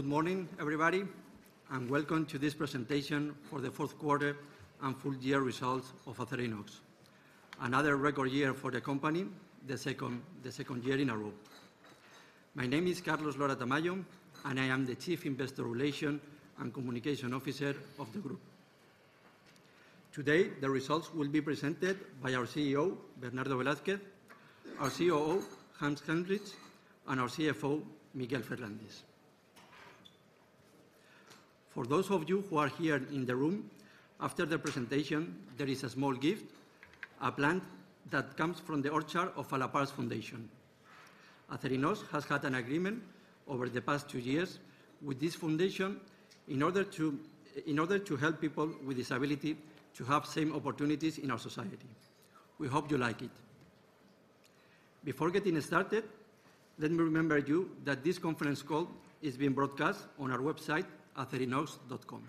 Good morning, everybody, welcome to this presentation for the fourth quarter and full year results of Acerinox. Another record year for the company, the second year in a row. My name is Carlos Lora-Tamayo, I am the Chief Investor Relations and Communication Officer of the group. Today, the results will be presented by our CEO, Bernardo Velázquez, our COO, Hans Helmrich, and our CFO, Miguel Ferrandis. For those of you who are here in the room, after the presentation, there is a small gift, a plant that comes from the orchard of A LA PAR Foundation. Acerinox has had an agreement over the past two years with this foundation in order to help people with disability to have same opportunities in our society. We hope you like it. Before getting started, let me remember you that this conference call is being broadcast on our website, acerinox.com.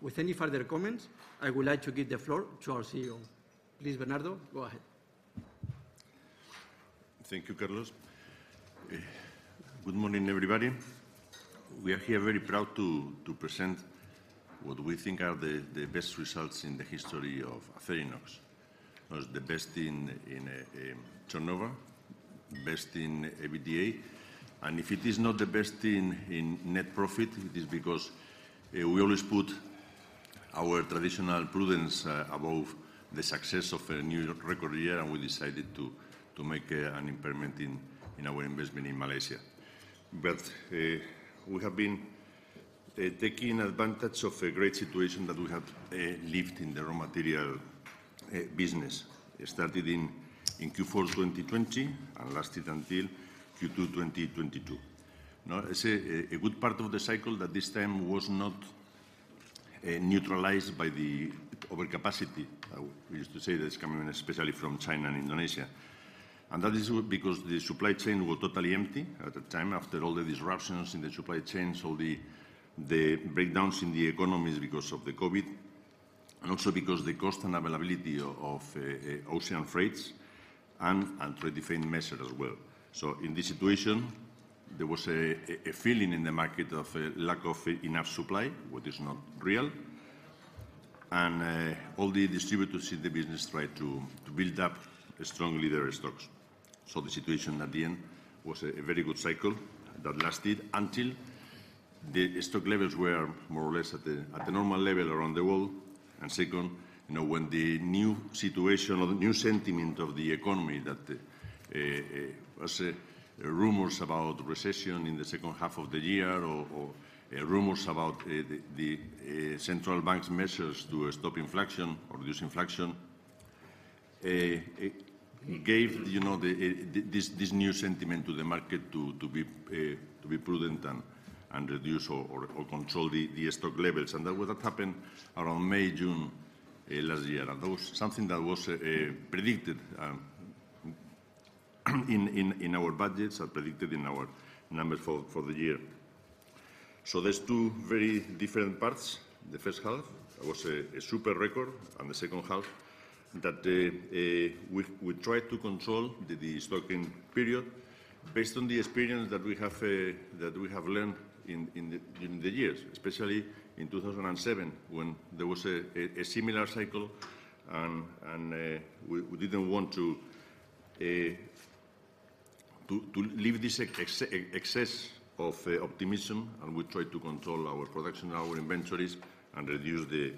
With any further comments, I would like to give the floor to our CEO. Please, Bernardo, go ahead. Thank you, Carlos. Good morning, everybody. We are here very proud to present what we think are the best results in the history of Acerinox. Was the best in turnover, best in EBITDA. If it is not the best in net profit, it is because we always put our traditional prudence above the success of a new record year, and we decided to make an impairment in our investment in Malaysia. We have been taking advantage of a great situation that we had lived in the raw material business. It started in Q4 2020 and lasted until Q2 2022. It's a good part of the cycle that this time was not neutralized by the overcapacity we used to say that it's coming especially from China and Indonesia. That is because the supply chain was totally empty at the time after all the disruptions in the supply chains, all the breakdowns in the economies because of the COVID, and also because the cost and availability of ocean freights and trade defense measures as well. In this situation, there was a feeling in the market of a lack of enough supply, what is not real. All the distributors in the business tried to build up strongly their stocks. The situation at the end was a very good cycle that lasted until the stock levels were more or less at the normal level around the world. Second, you know, when the new situation or the new sentiment of the economy that was rumors about recession in the second half of the year or rumors about the central bank's measures to stop inflation or reduce inflation, it gave, you know, this new sentiment to the market to be prudent and reduce or control the stock levels. That would have happened around May, June last year. That was something that was predicted in our budgets and predicted in our numbers for the year. There's two very different parts. The first half was a super record, and the second half that we tried to control the stocking period based on the experience that we have learned in the years, especially in 2007 when there was a similar cycle and we didn't want to leave this excess of optimism, and we tried to control our production and our inventories and reduce the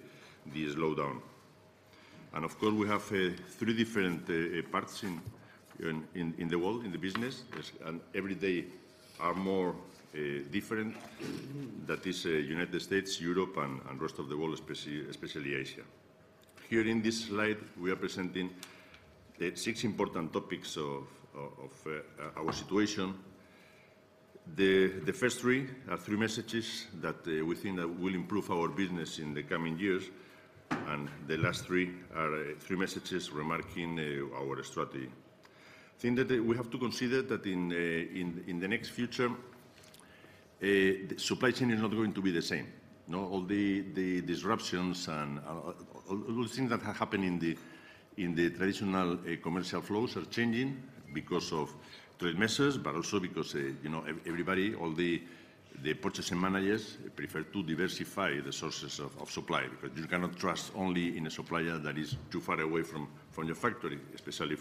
slowdown. Of course, we have three different parts in the world, in the business, yes, and every day are more different. That is United States, Europe and rest of the world, especially Asia. Here in this slide, we are presenting the six important topics of our situation. The first three are three messages that we think that will improve our business in the coming years. The last three are three messages remarking our strategy. We have to consider that in the next future, the supply chain is not going to be the same, you know. All the disruptions and all those things that have happened in the traditional commercial flows are changing because of trade measures, but also because, you know, everybody, all the purchasing managers prefer to diversify the sources of supply because you cannot trust only in a supplier that is too far away from your factory, especially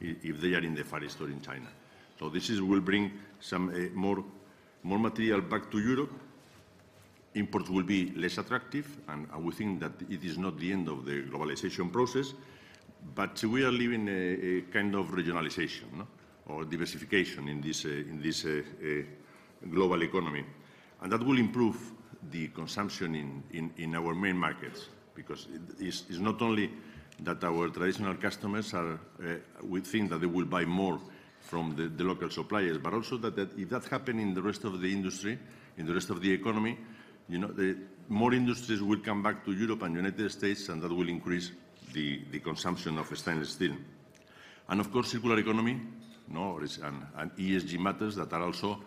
if they are in the Far East or in China. This will bring some more material back to Europe. Imports will be less attractive, and we think that it is not the end of the globalization process, but we are living a kind of regionalization, no. Or diversification in this, in this global economy. That will improve the consumption in our main markets because it is, it's not only that our traditional customers are, we think that they will buy more from the local suppliers, but also that if that happen in the rest of the industry, in the rest of the economy, you know, the more industries will come back to Europe and United States, and that will increase the consumption of stainless steel. Of course, circular economy, you know, is, and ESG matters that are also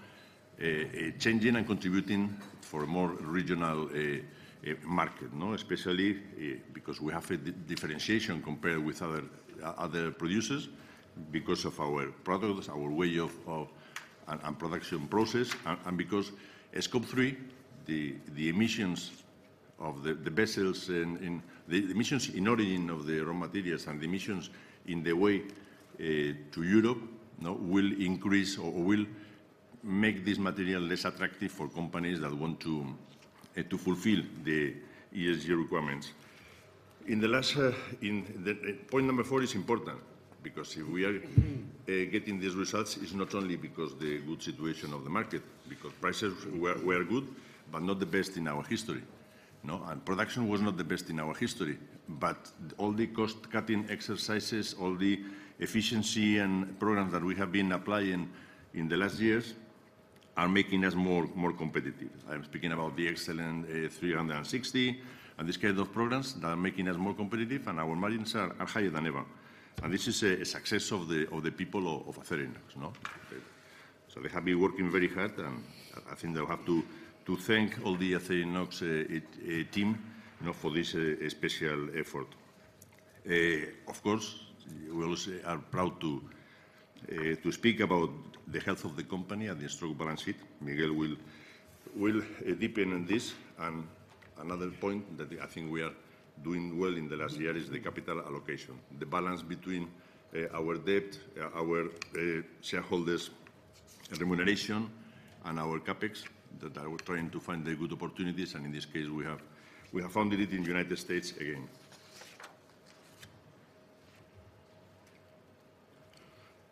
changing and contributing for a more regional market, no. Especially, because we have a differentiation compared with other producers because of our products, our way of... and production process and because Scope 3, the emissions of the vessels in... the emissions in origin of the raw materials and the emissions in the way to Europe, no, will increase or will make this material less attractive for companies that want to fulfill the ESG requirements. In the last, in the point number four is important because if we are getting these results, it's not only because the good situation of the market, because prices were good, but not the best in our history, no? Production was not the best in our history. All the cost-cutting exercises, all the efficiency and programs that we have been applying in the last years are making us more competitive. I am speaking about the Excellence 360 and this kind of programs that are making us more competitive and our margins are higher than ever. This is a success of the people of Acerinox, no? They have been working very hard and I think they'll have to thank all the Acerinox team, you know, for this special effort. Of course, we also are proud to speak about the health of the company and the strong balance sheet. Miguel will deepen on this. Another point that I think we are doing well in the last year is the capital allocation. The balance between our debt, our shareholders remuneration and our CapEx that are trying to find the good opportunities and in this case we have found it in the United States again.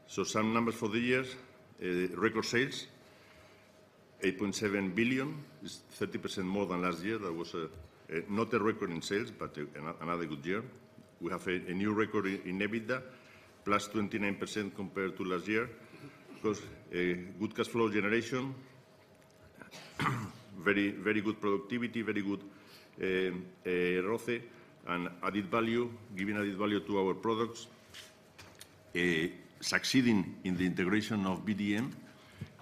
Some numbers for the year. Record sales, 8.7 billion. It's 30% more than last year. That was not a record in sales, but another good year. We have a new record in EBITDA, +29% compared to last year. Plus a good cash flow generation. Very good productivity, very good ROCE and added value, giving added value to our products. Succeeding in the integration of VDM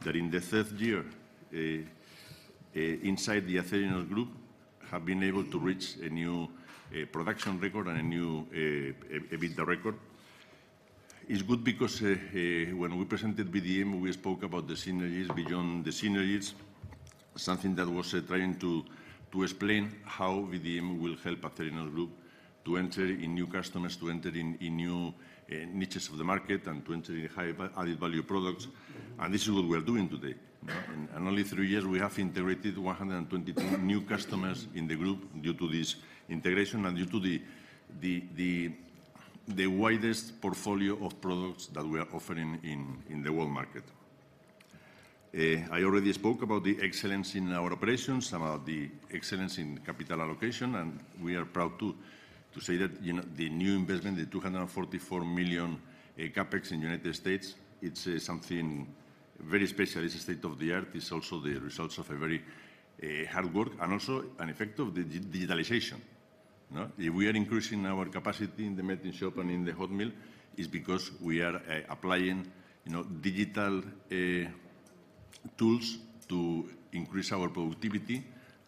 that in the third year inside the Acerinox Group have been able to reach a new production record and a new EBITDA record. It's good because when we presented VDM, we spoke about the synergies. Beyond the synergies, something that was trying to explain how VDM will help Acerinox Group to enter in new customers, to enter in new niches of the market and to enter in high added value products. This is what we are doing today, no? Only three years we have integrated 122 new customers in the group due to this integration and due to the widest portfolio of products that we are offering in the world market. I already spoke about the excellence in our operations and about the excellence in capital allocation, and we are proud to say that, you know, the new investment, the $244 million CapEx in United States, it's something very special. It's state-of-the-art. It's also the results of a very hard work and also an effect of digitalization, no? We are increasing our capacity in the melting shop and in the hot mill, it's because we are applying, you know, digital tools to increase our productivity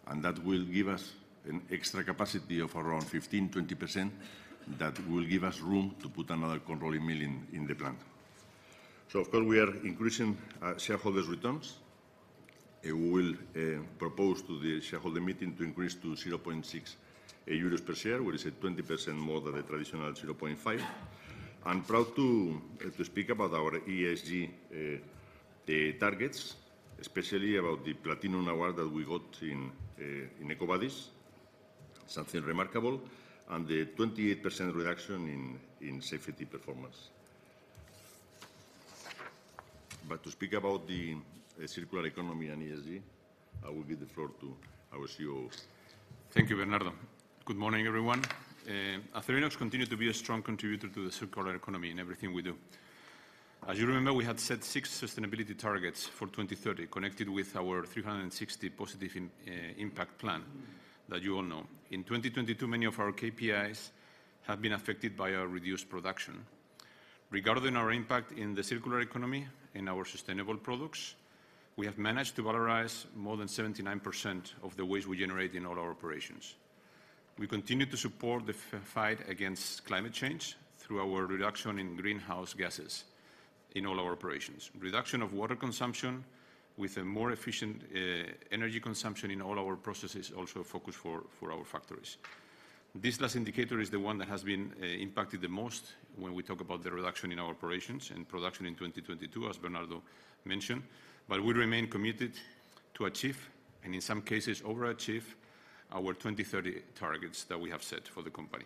and that will give us an extra capacity of around 15%-20% that will give us room to put another cold rolling mill in the plant. Of course, we are increasing shareholders' returns. We will propose to the shareholder meeting to increase to 0.6 euros per share, which is at 20% more than the traditional 0.5. I'm proud to speak about our ESG targets, especially about the platinum award that we got in EcoVadis, something remarkable, and the 28% reduction in safety performance. To speak about the circular economy and ESG, I will give the floor to our COO. Thank you, Bernardo. Good morning, everyone. Acerinox continues to be a strong contributor to the circular economy in everything we do. As you remember, we had set six sustainability targets for 2030 connected with our 360 Positive Impact plan that you all know. In 2022, many of our KPIs have been affected by our reduced production. Regarding our impact in the circular economy and our sustainable products, we have managed to valorize more than 79% of the waste we generate in all our operations. We continue to support the fight against climate change through our reduction in greenhouse gases in all our operations. Reduction of water consumption with a more efficient energy consumption in all our processes also a focus for our factories. This last indicator is the one that has been impacted the most when we talk about the reduction in our operations and production in 2022, as Bernardo mentioned. We remain committed to achieve, and in some cases overachieve, our 2030 targets that we have set for the company.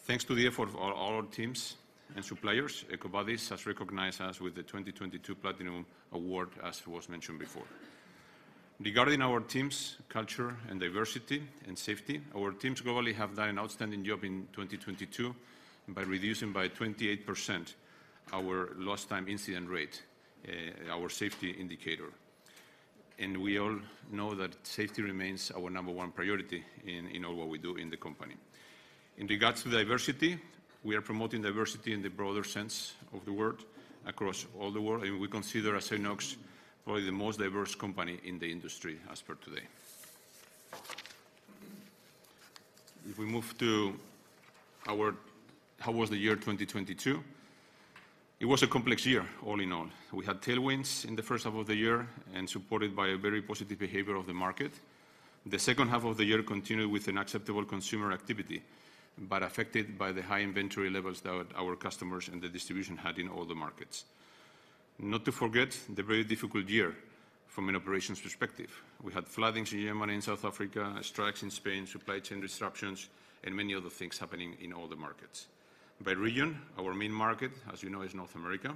Thanks to the effort of all our teams and suppliers, EcoVadis has recognized us with the 2022 Platinum Award, as was mentioned before. Regarding our teams, culture and diversity and safety, our teams globally have done an outstanding job in 2022 by reducing by 28% our lost time incident rate, our safety indicator. We all know that safety remains our number one priority in all what we do in the company. In regards to diversity, we are promoting diversity in the broader sense of the word across all the world, and we consider Acerinox probably the most diverse company in the industry as per today. If we move to how was the year 2022? It was a complex year all in all. We had tailwinds in the first half of the year and supported by a very positive behavior of the market. The second half of the year continued with an acceptable consumer activity, but affected by the high inventory levels that our customers and the distribution had in all the markets. Not to forget the very difficult year from an operations perspective. We had floodings in Germany and South Africa, strikes in Spain, supply chain disruptions and many other things happening in all the markets. By region, our main market, as you know, is North America.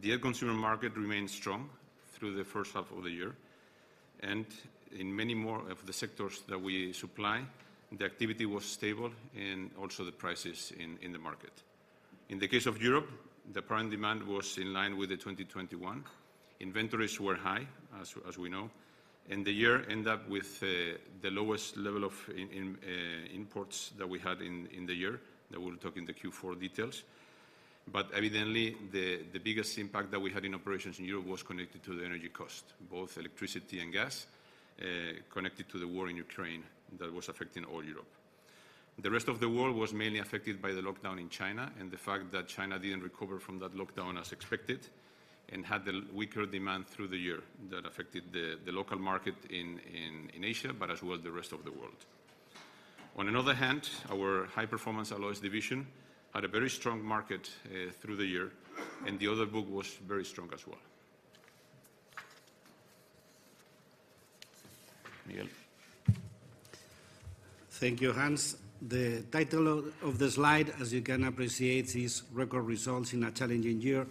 The end consumer market remained strong through the first half of the year. In many more of the sectors that we supply, the activity was stable and also the prices in the market. In the case of Europe, the prime demand was in line with the 2021. Inventories were high, as we know. The year end up with the lowest level of imports that we had in the year, that we'll talk in the Q4 details. Evidently the biggest impact that we had in operations in Europe was connected to the energy cost, both electricity and gas, connected to the war in Ukraine that was affecting all Europe. The rest of the world was mainly affected by the lockdown in China and the fact that China didn't recover from that lockdown as expected and had the weaker demand through the year that affected the local market in Asia, but as well the rest of the world. On another hand, our high performance alloys division had a very strong market through the year, and the order book was very strong as well. Miguel. Thank you, Hans. The title of the slide, as you can appreciate, is Record Results in a Challenging Year.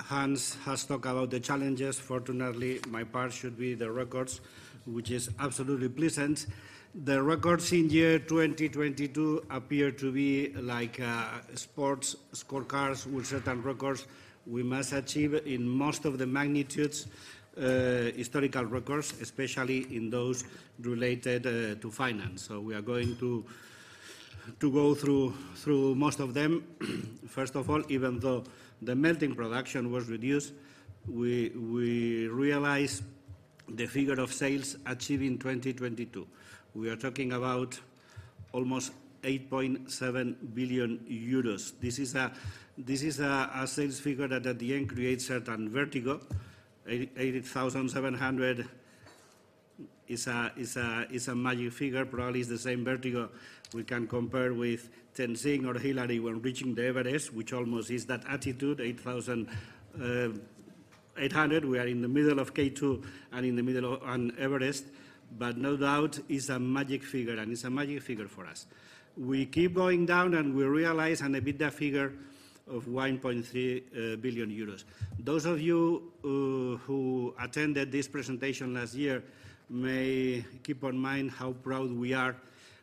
Hans has talked about the challenges. Fortunately, my part should be the records, which is absolutely pleasant. The records in year 2022 appear to be like sports scorecards with certain records we must achieve in most of the magnitudes, historical records, especially in those related to finance. We are going to go through most of them. First of all, even though the melting production was reduced, we realize the figure of sales achieved in 2022. We are talking about almost 8.7 billion euros. This is a sales figure that at the end creates a certain vertigo. 8,700 is a magic figure. Probably is the same vertigo we can compare with Tenzing or Hillary when reaching the Everest, which almost is that altitude, 8,800. We are in the middle of K2 and Everest. No doubt is a magic figure. It's a magic figure for us. We keep going down. We realize an EBITDA figure of 1.3 billion euros. Those of you who attended this presentation last year may keep on mind how proud we are,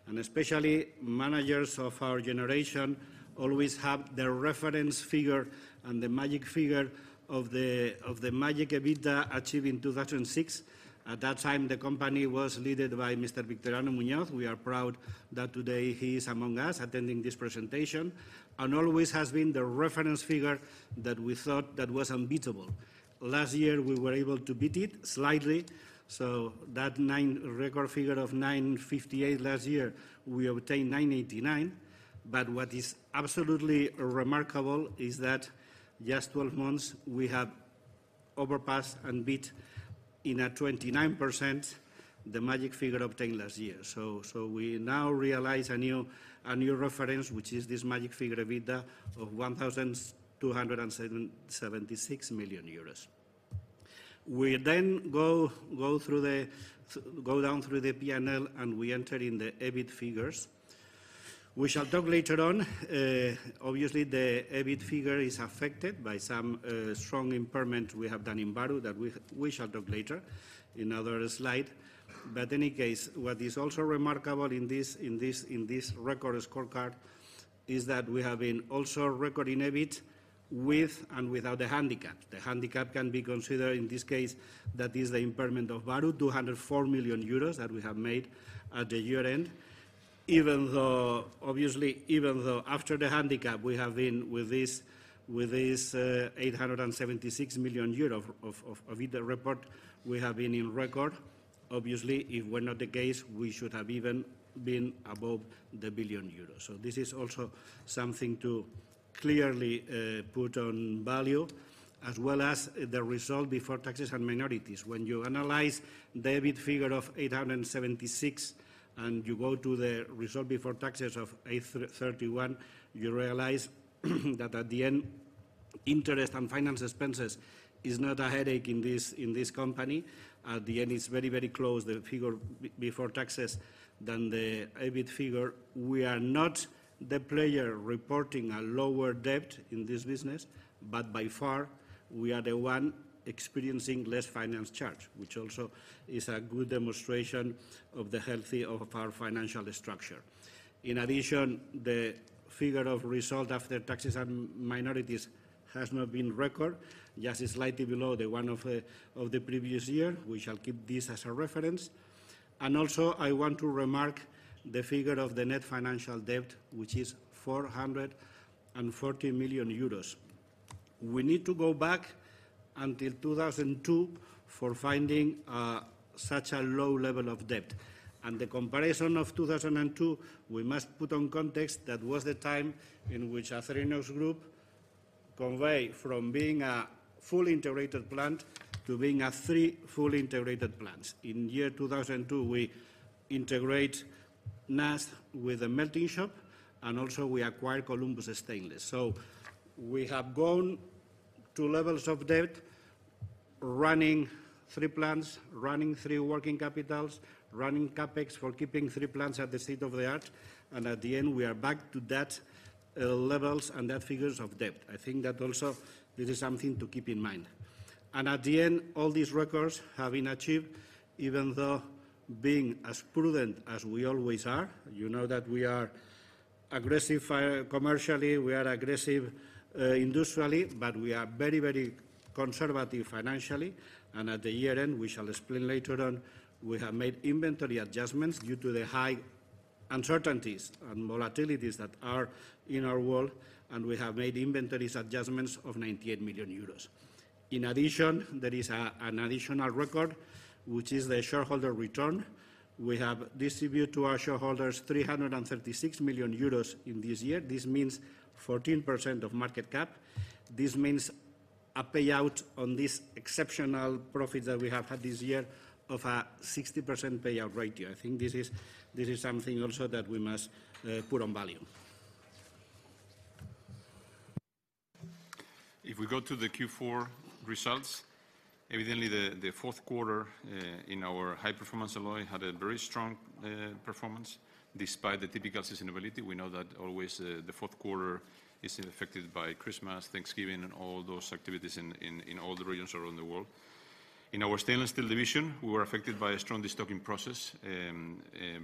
and especially managers of our generation always have the reference figure and the magic figure of the magic EBITDA achieved in 2006. At that time, the company was led by Mr. Victoriano Muñoz. We are proud that today he is among us attending this presentation and always has been the reference figure that we thought that was unbeatable. Last year, we were able to beat it slightly, that nine record figure of 958 last year, we obtained 989. What is absolutely remarkable is that just 12 months we have overpassed and beat in a 29% the magic figure obtained last year. We now realize a new reference, which is this magic figure EBITDA of 1,276 million euros. We go down through the P&L, and we enter in the EBIT figures. We shall talk later on. Obviously, the EBIT figure is affected by some strong impairment we have done in Bahru that we shall talk later in other slide. Any case, what is also remarkable in this record scorecard is that we have been also recording EBIT with and without the handicap. The handicap can be considered in this case, that is the impairment of Bahru, 204 million euros that we have made at the year-end. Even though, obviously, after the handicap we have been with this, 876 million euros of EBITDA report, we have been in record. Obviously, if were not the case, we should have even been above the billion Euros. This is also something to clearly put on value as well as the result before taxes and minorities. When you analyze the EBIT figure of 876, and you go to the result before taxes of 831, you realize that at the end, interest and finance expenses is not a headache in this company. It's very close the figure before taxes than the EBIT figure. We are not the player reporting a lower debt in this business, by far we are the one experiencing less finance charge, which also is a good demonstration of the health of our financial structure. In addition, the figure of result after taxes and minorities has not been a record, just slightly below the one of the previous year. We shall keep this as a reference. Also, I want to remark the figure of the net financial debt, which is 440 million euros. We need to go back until 2002 for finding such a low level of debt. The comparison of 2002, we must put on context, that was the time in which Acerinox Group convey from being a fully integrated plant to being a three fully integrated plants. In year 2002, we integrate NAS with a melting shop, and also we acquired Columbus Stainless. We have gone to levels of debt, running three plants, running three working capitals, running CapEx for keeping three plants at the state-of-the-art, and at the end, we are back to that levels and that figures of debt. I think that also this is something to keep in mind. At the end, all these records have been achieved, even though being as prudent as we always are. You know that we are aggressive commercially, we are aggressive industrially, but we are very, very conservative financially. At the year-end, we shall explain later on, we have made inventories adjustments due to the high uncertainties and volatilities that are in our world, and we have made inventories adjustments of 98 million euros. In addition, there is an additional record, which is the shareholder return. We have distributed to our shareholders 336 million euros in this year. This means 14% of market cap. This means a payout on this exceptional profit that we have had this year of a 60% payout ratio. I think this is something also that we must put on value. If we go to the Q4 results, evidently the fourth quarter, in our high-performance alloy had a very strong performance despite the typical seasonality. We know that always, the fourth quarter is affected by Christmas, Thanksgiving, and all those activities in all the regions around the world. In our stainless steel division, we were affected by a strong destocking process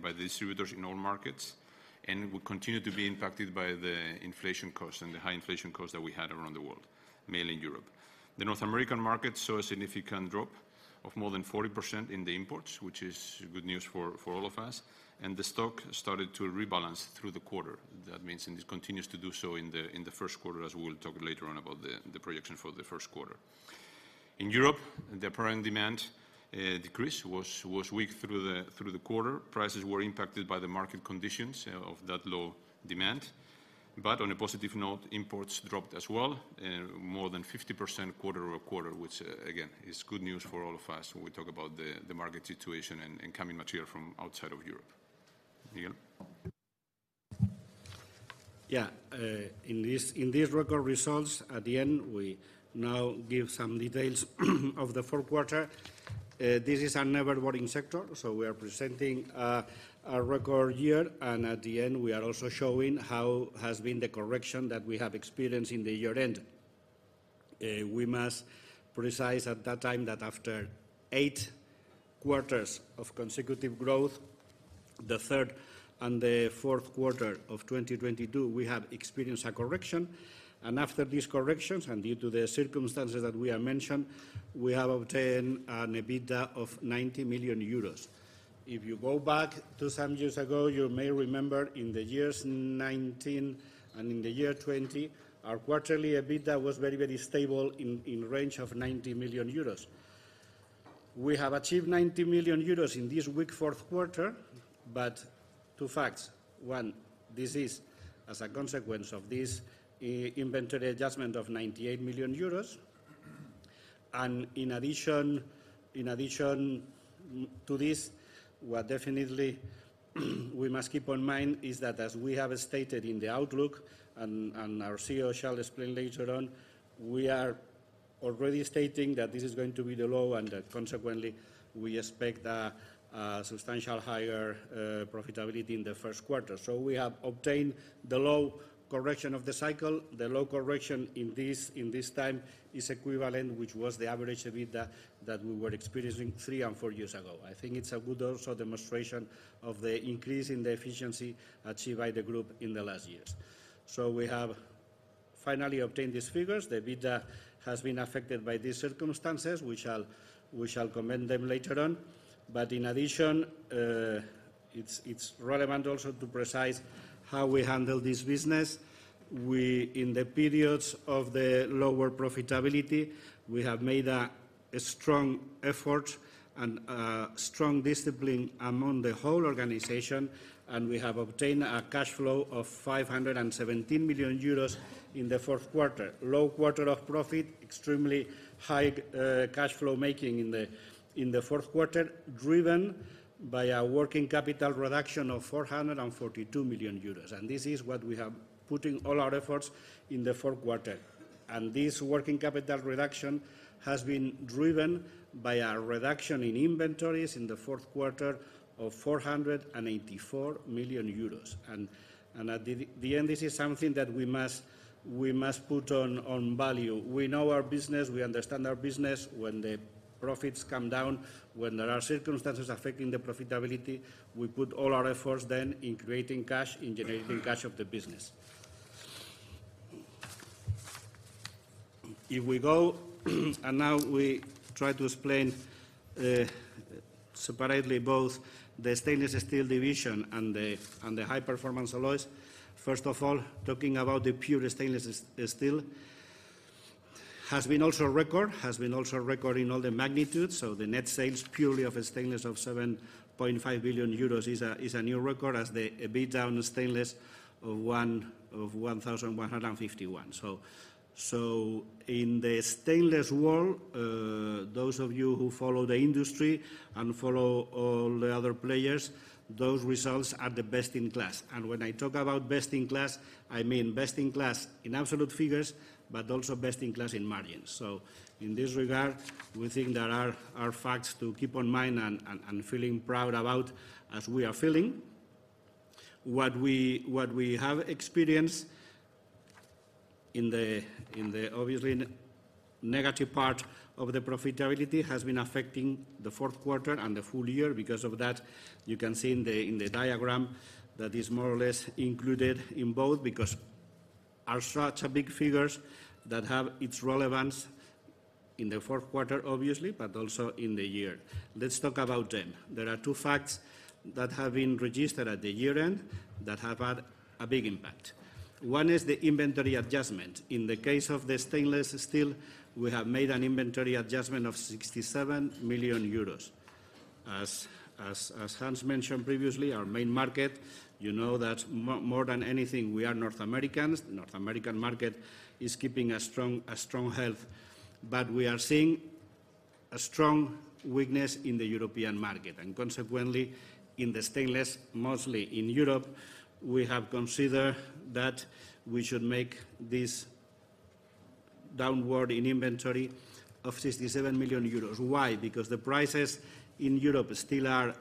by the distributors in all markets, and we continue to be impacted by the inflation costs and the high inflation costs that we had around the world, mainly Europe. The North American market saw a significant drop of more than 40% in the imports, which is good news for all of us, and the stock started to rebalance through the quarter. That means, and this continues to do so in the first quarter, as we will talk later on about the projection for the first quarter. In Europe, the apparent demand decrease was weak through the quarter. Prices were impacted by the market conditions of that low demand. On a positive note, imports dropped as well, more than 50% quarter-over-quarter, which again, is good news for all of us when we talk about the market situation and coming material from outside of Europe. Miguel. Yeah, in these record results, at the end, we now give some details of the fourth quarter. This is a never boring sector, we are presenting a record year and at the end we are also showing how has been the correction that we have experienced in the year-end. We must precise at that time that after eight quarters of consecutive growth, the third and the fourth quarter of 2022, we have experienced a correction. After these corrections, and due to the circumstances that we have mentioned, we have obtained an EBITDA of 90 million euros. If you go back to some years ago, you may remember in the years 19 and in the year 20, our quarterly EBITDA was very, very stable in range of 90 million euros. We have achieved 90 million euros in this weak fourth quarter. Two facts. One, this is as a consequence of this inventory adjustment of 98 million euros. In addition, in addition to this, what definitely we must keep on mind is that as we have stated in the outlook and our CEO shall explain later on, we are already stating that this is going to be the low and that consequently we expect a substantial higher profitability in the first quarter. We have obtained the low correction of the cycle. The low correction in this time is equivalent, which was the average EBITDA that we were experiencing three and four years ago. I think it's a good also demonstration of the increase in the efficiency achieved by the group in the last years. We have finally obtained these figures. The EBITDA has been affected by these circumstances. We shall comment them later on. In addition, it's relevant also to precise how we handle this business. In the periods of the lower profitability, we have made a strong effort and a strong discipline among the whole organization, and we have obtained a cash flow of 517 million euros in the fourth quarter. Low quarter of profit, extremely high cash flow making in the fourth quarter, driven by a working capital reduction of 442 million euros. This is what we have putting all our efforts in the fourth quarter. This working capital reduction has been driven by a reduction in inventories in the fourth quarter of 484 million euros. At the end, this is something that we must put on value. We know our business, we understand our business. When the profits come down, when there are circumstances affecting the profitability, we put all our efforts then in creating cash, in generating cash of the business. If we go and now we try to explain separately both the Stainless Steel division and the High Performance Alloys. First of all, talking about the pure stainless steel, has been also record in all the magnitudes. The net sales purely of stainless of 7.5 billion euros is a new record as the EBITDA on stainless of 1,151. In the stainless world, those of you who follow the industry and follow all the other players, those results are the best in class. When I talk about best in class, I mean best in class in absolute figures, but also best in class in margins. In this regard, we think there are facts to keep on mind and feeling proud about as we are feeling. What we have experienced in the obviously negative part of the profitability has been affecting the fourth quarter and the full year. Because of that, you can see in the diagram that is more or less included in both because are such a big figures that have its relevance in the fourth quarter obviously, but also in the year. Let's talk about them. There are two facts that have been registered at the year-end that have had a big impact. One is the inventory adjustment. In the case of the stainless steel, we have made an inventory adjustment of 67 million euros. As Hans mentioned previously, our main market, you know that more than anything, we are North Americans. The North American market is keeping a strong health. We are seeing a strong weakness in the European market and consequently in the stainless, mostly in Europe, we have considered that we should make this downward in inventory of 67 million euros. Why? Because the prices in Europe still are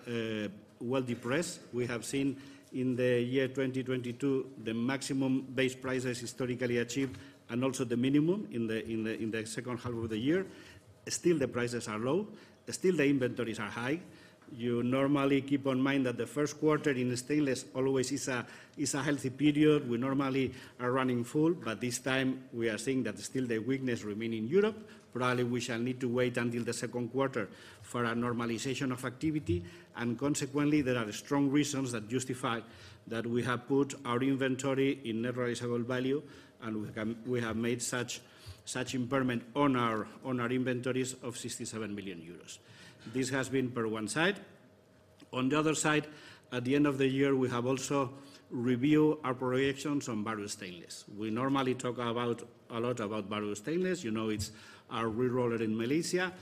well depressed. We have seen in the year 2022 the maximum base prices historically achieved and also the minimum in the second half of the year. Still the prices are low. Still the inventories are high. You normally keep in mind that the first quarter in stainless always is a healthy period. We normally are running full. This time we are seeing that still the weakness remains in Europe. Probably we shall need to wait until the second quarter for a normalization of activity. Consequently there are strong reasons that justify that we have put our inventory in net realizable value and we have made such impairment on our inventories of 67 million euros. This has been per one side. The other side, at the end of the year we have also reviewed our projections on Bahru Stainless. We normally talk a lot about Bahru Stainless. You know it's our reroller in Malaysia.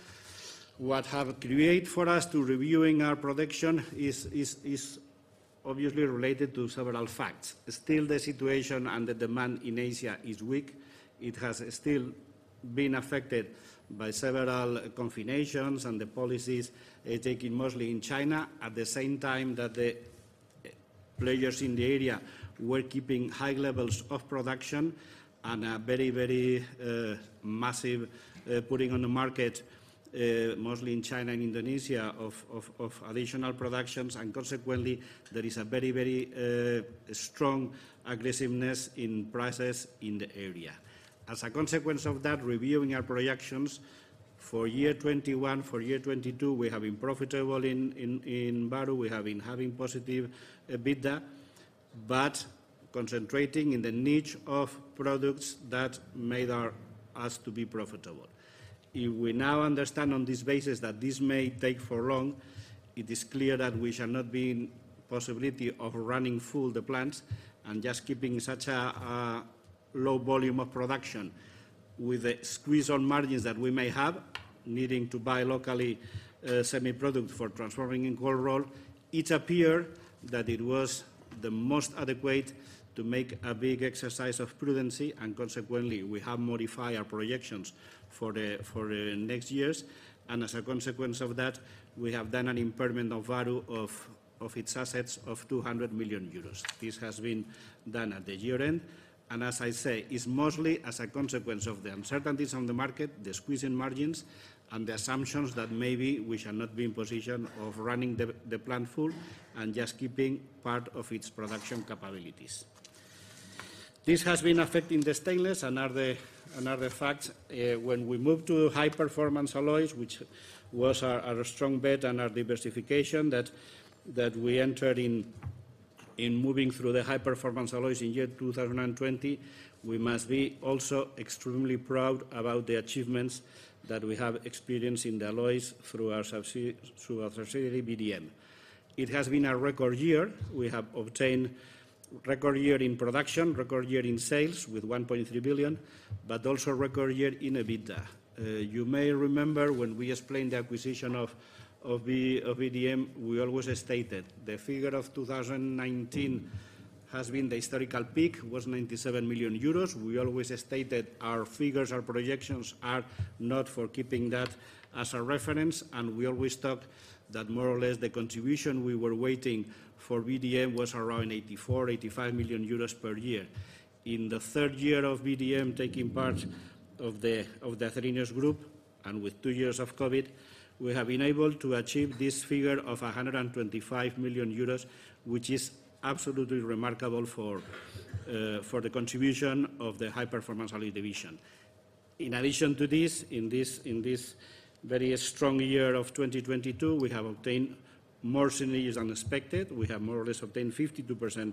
What has created for us to review our production is obviously related to several facts. Still the situation and the demand in Asia is weak. It has still been affected by several confinations and the policies taken mostly in China. At the same time that the players in the area were keeping high levels of production and a very massive putting on the market mostly in China and Indonesia of additional productions and consequently there is a very strong aggressiveness in prices in the area. As a consequence of that, reviewing our projections for year 2021, for year 2022, we have been profitable in Bahru. We have been having positive EBITDA, but concentrating in the niche of products that made us to be profitable. If we now understand on this basis that this may take for long, it is clear that we shall not be in possibility of running full the plants and just keeping such a low volume of production. With the squeeze on margins that we may have, needing to buy locally, semi-products for transforming in cold roll, it appeared that it was the most adequate to make a big exercise of prudency and consequently we have modified our projections for the next years. As a consequence of that, we have done an impairment of value of its assets of 200 million euros. This has been done at the year-end and as I say, it's mostly as a consequence of the uncertainties on the market, the squeeze in margins and the assumptions that maybe we shall not be in position of running the plant full and just keeping part of its production capabilities. This has been affecting the stainless. Another fact, when we moved to high performance alloys which was our strong bet and our diversification that we entered in moving through the high performance alloys in year 2020. We must be also extremely proud about the achievements that we have experienced in the alloys through our subsidiary VDM. It has been a record year. We have obtained record year in production, record year in sales with 1.3 billion, but also record year in EBITDA. You may remember when we explained the acquisition of VDM, we always stated the figure of 2019 has been the historical peak, was 97 million euros. We always stated our figures, our projections are not for keeping that as a reference and we always talk that more or less the contribution we were waiting for VDM was around 84 million-85 million euros per year. In the third year of VDM taking part of the Acerinox Group and with two years of COVID, we have been able to achieve this figure of 125 million euros which is absolutely remarkable for the contribution of the high performance alloy division. In addition to this, in this, in this very strong year of 2022, we have obtained more synergies than expected. We have more or less obtained 52%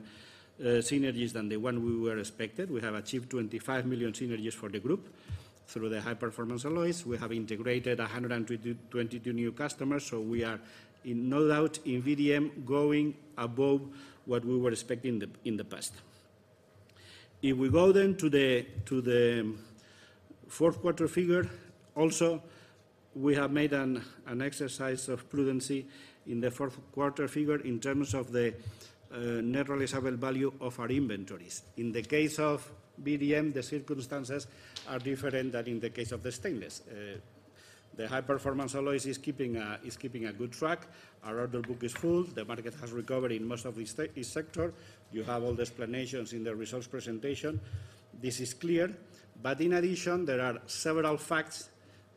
synergies than the one we were expected. We have achieved 25 million synergies for the group through the high performance alloys. We have integrated 122 new customers, so we are in no doubt in VDM going above what we were expecting the, in the past. If we go then to the, to the fourth quarter figure, also, we have made an exercise of prudency in the fourth quarter figure in terms of the net realizable value of our inventories. In the case of VDM, the circumstances are different than in the case of the stainless. The high performance alloys is keeping a good track. Our order book is full. The market has recovered in most of this sector. You have all the explanations in the results presentation. This is clear. In addition, there are several facts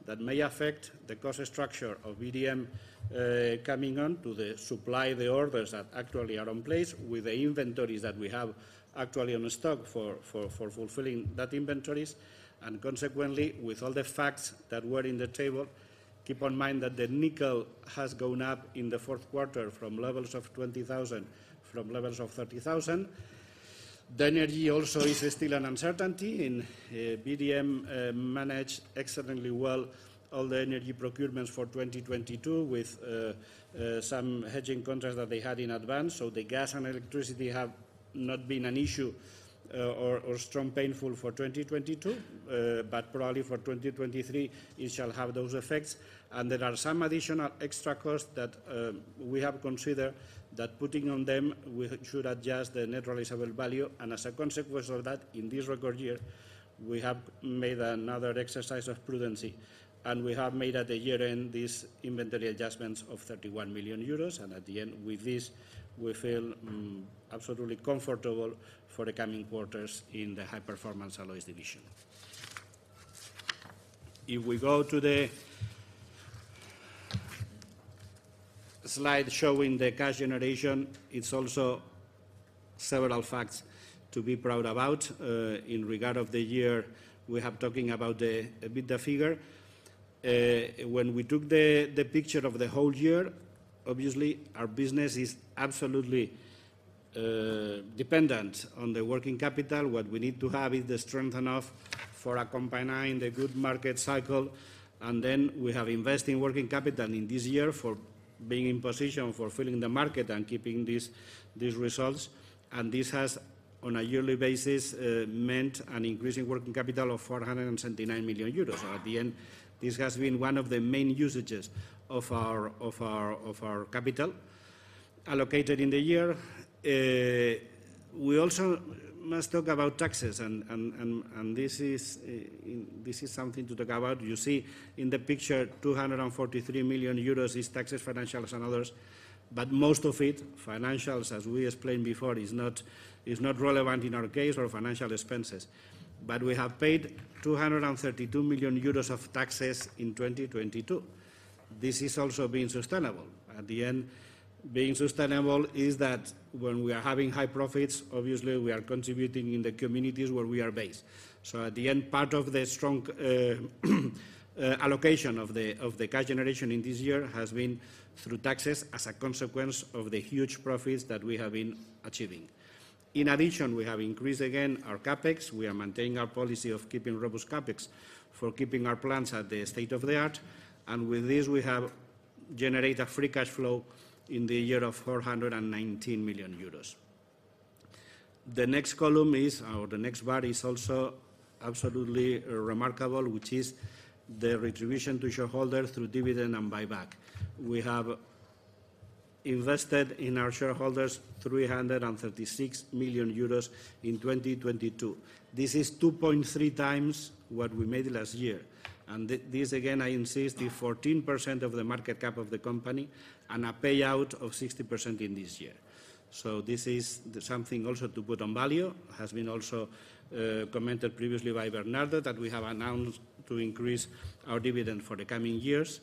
that may affect the cost structure of VDM, coming on to the supply, the orders that actually are on place with the inventories that we have actually on stock for fulfilling that inventories. Consequently, with all the facts that were in the table, keep in mind that the nickel has gone up in the fourth quarter from levels of 20,000 from levels of 30,000. The energy also is still an uncertainty, and VDM managed exceedingly well all the energy procurements for 2022 with some hedging contracts that they had in advance. The gas and electricity have not been an issue, or strong painful for 2022, but probably for 2023 it shall have those effects. There are some additional extra costs that we have considered that putting on them, we should adjust the net realizable value. As a consequence of that, in this record year, we have made another exercise of prudency, and we have made at the year-end these inventory adjustments of 31 million euros. At the end, with this, we feel absolutely comfortable for the coming quarters in the high-performance alloys division. If we go to the slide showing the cash generation, it's also several facts to be proud about. In regard of the year, we have talking about the EBITDA figure. When we took the picture of the whole year, obviously, our business is absolutely dependent on the working capital. What we need to have is the strength enough for accompanying the good market cycle. We have invested in working capital in this year for being in position for filling the market and keeping these results. This has, on a yearly basis, meant an increase in working capital of 479 million euros. At the end, this has been one of the main usages of our capital allocated in the year. We also must talk about taxes and this is something to talk about. You see in the picture 243 million euros is taxes, financials, and others, but most of it, financials, as we explained before, is not relevant in our case or financial expenses. We have paid 232 million euros of taxes in 2022. This is also being sustainable. At the end, being sustainable is that when we are having high profits, obviously we are contributing in the communities where we are based. At the end, part of the strong allocation of the cash generation in this year has been through taxes as a consequence of the huge profits that we have been achieving. In addition, we have increased again our CapEx. We are maintaining our policy of keeping robust CapEx for keeping our plants at the state-of-the-art. With this, we have generate a free cash flow in the year of 419 million euros. The next column is, or the next bar is also absolutely remarkable, which is the retribution to shareholders through dividend and buyback. We have invested in our shareholders 336 million euros in 2022. This is 2.3x what we made last year. This again, I insist is 14% of the market cap of the company and a payout of 60% in this year. This is something also to put on value. Has been also commented previously by Bernardo that we have announced to increase our dividend for the coming years.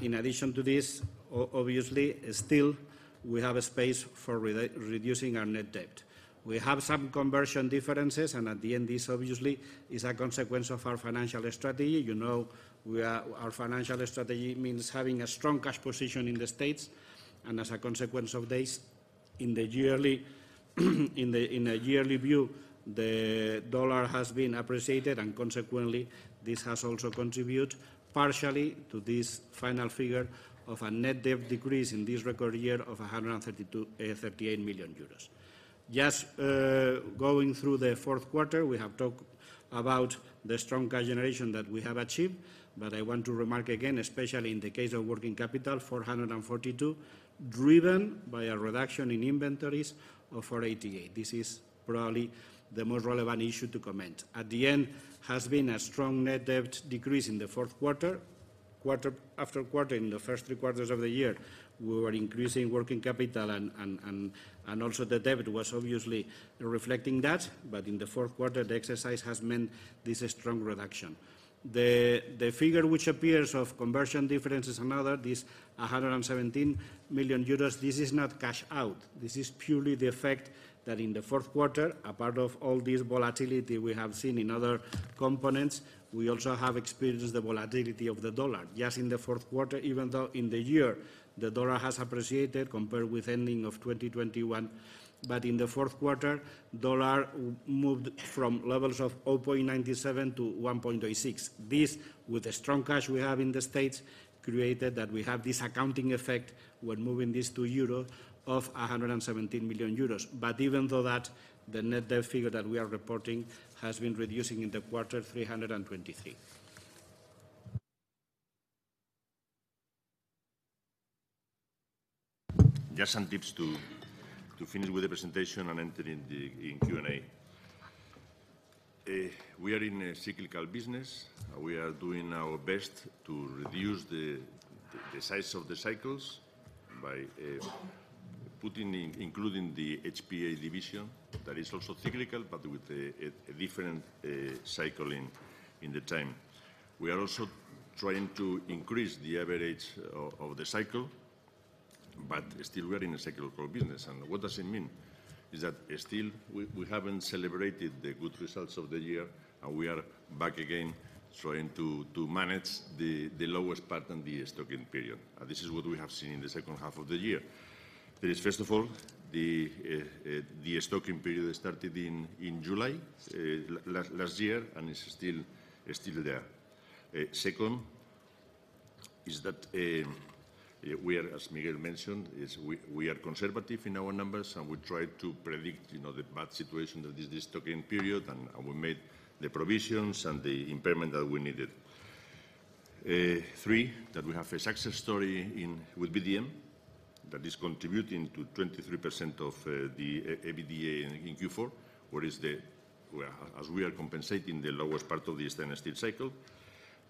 In addition to this, obviously, still we have a space for reducing our net debt. We have some conversion differences, and at the end, this obviously is a consequence of our financial strategy. You know, our financial strategy means having a strong cash position in the States. As a consequence of this, in a yearly view, the dollar has been appreciated, and consequently, this has also contribute partially to this final figure of a net debt decrease in this record year of 138 million euros. Just going through the fourth quarter, we have talked about the strong cash generation that we have achieved, but I want to remark again, especially in the case of working capital, 442, driven by a reduction in inventories of 488. This is probably the most relevant issue to comment. At the end has been a strong net debt decrease in the fourth quarter. Quarter after quarter, in the first three quarters of the year, we were increasing working capital and also the debt was obviously reflecting that. In the fourth quarter, the exercise has meant this strong reduction. The figure which appears of conversion difference is another, this 117 million euros, this is not cash out. This is purely the effect that in the fourth quarter, a part of all this volatility we have seen in other components, we also have experienced the volatility of the dollar. Just in the fourth quarter, even though in the year the dollar has appreciated compared with ending of 2021. In the fourth quarter, dollar moved from levels of 0.97 to 1.86. This, with the strong cash we have in the States, created that we have this accounting effect when moving this to Euro of 117 million euros. Even though that, the net debt figure that we are reporting has been reducing in the quarter 323. Just some tips to finish with the presentation and enter in the Q&A. We are in a cyclical business. We are doing our best to reduce the size of the cycles by including the HPA division that is also cyclical, but with a different cycle in the time. We are also trying to increase the average of the cycle, but still we are in a cyclical business. What does it mean? Is that still we haven't celebrated the good results of the year and we are back again trying to manage the lowest part in the destocking period. This is what we have seen in the second half of the year. There is, first of all, the destocking period started in July last year and is still, is still there. Second is that we are, as Miguel mentioned, is we are conservative in our numbers and we try to predict, you know, the bad situation that is destocking period and we made the provisions and the impairment that we needed. Three, that we have a success story with VDM that is contributing to 23% of the EBITDA in Q4. As we are compensating the lowest part of the stainless steel cycle,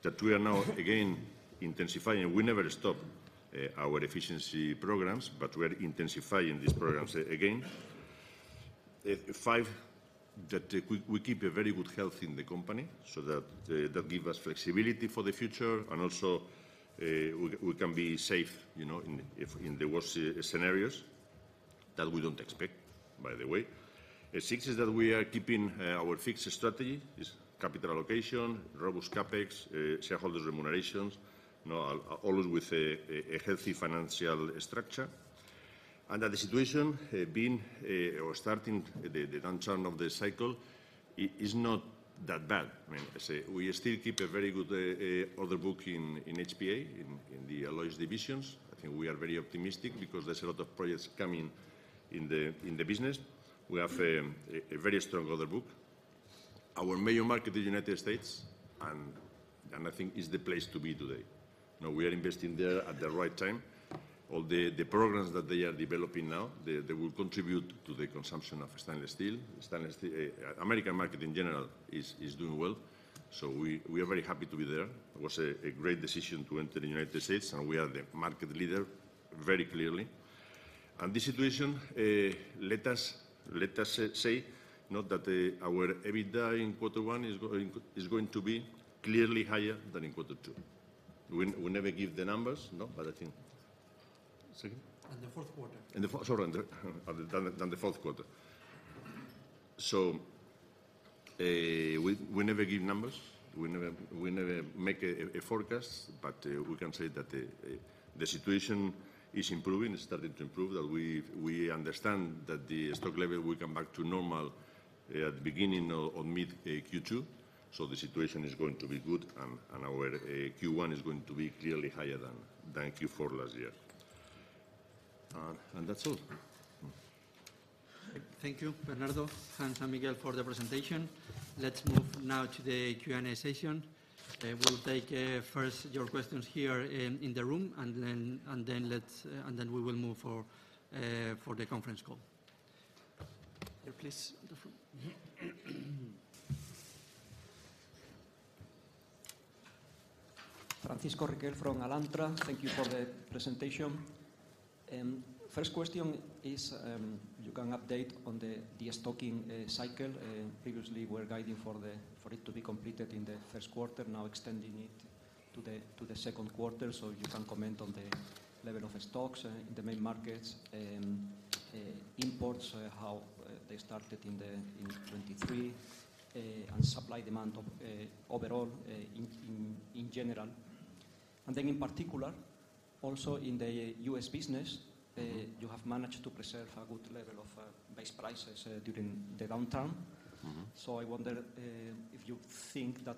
that we are now again intensifying. We never stop our efficiency programs, but we are intensifying these programs again. Five, that we keep a very good health in the company so that give us flexibility for the future and also, we can be safe, you know, in the worst scenarios that we don't expect, by the way. Six is that we are keeping our fixed strategy. Is capital allocation, robust CapEx, shareholders remunerations, you know, always with a healthy financial structure. That the situation, being or starting the downturn of the cycle is not that bad. I mean, as we still keep a very good order book in HPA, in the alloys divisions. I think we are very optimistic because there's a lot of projects coming in the business. We have a very strong order book. Our major market is United States and I think is the place to be today. Now we are investing there at the right time. All the programs that they are developing now, they will contribute to the consumption of stainless steel. Stainless steel, American market in general is doing well. We are very happy to be there. It was a great decision to enter United States, and we are the market leader very clearly. The situation, let us say, you know, that our EBITDA in quarter one is going to be clearly higher than in quarter two. We never give the numbers. Sorry? The fourth quarter. Sorry, than the fourth quarter. We never give numbers. We never make a forecast. We can say that the situation is improving. It's starting to improve. We understand that the stock level will come back to normal at the beginning or mid Q2. The situation is going to be good and our Q1 is going to be clearly higher than Q4 last year. That's all. Thank you, Bernardo, Hans, and Miguel for the presentation. Let's move now to the Q&A session. We'll take first your questions here in the room and then let's and then we will move for the conference call. Here, please. Francisco Riquel from Alantra. Thank you for the presentation. First question is, you can update on the destocking cycle. Previously we're guiding for the, for it to be completed in the first quarter, now extending it to the, to the second quarter. You can comment on the level of stocks in the main markets, imports, how they started in 2023, and supply demand of overall in general. In particular, also in the U.S. business. Mm-hmm. You have managed to preserve a good level of base prices during the downturn. Mm-hmm. I wonder if you think that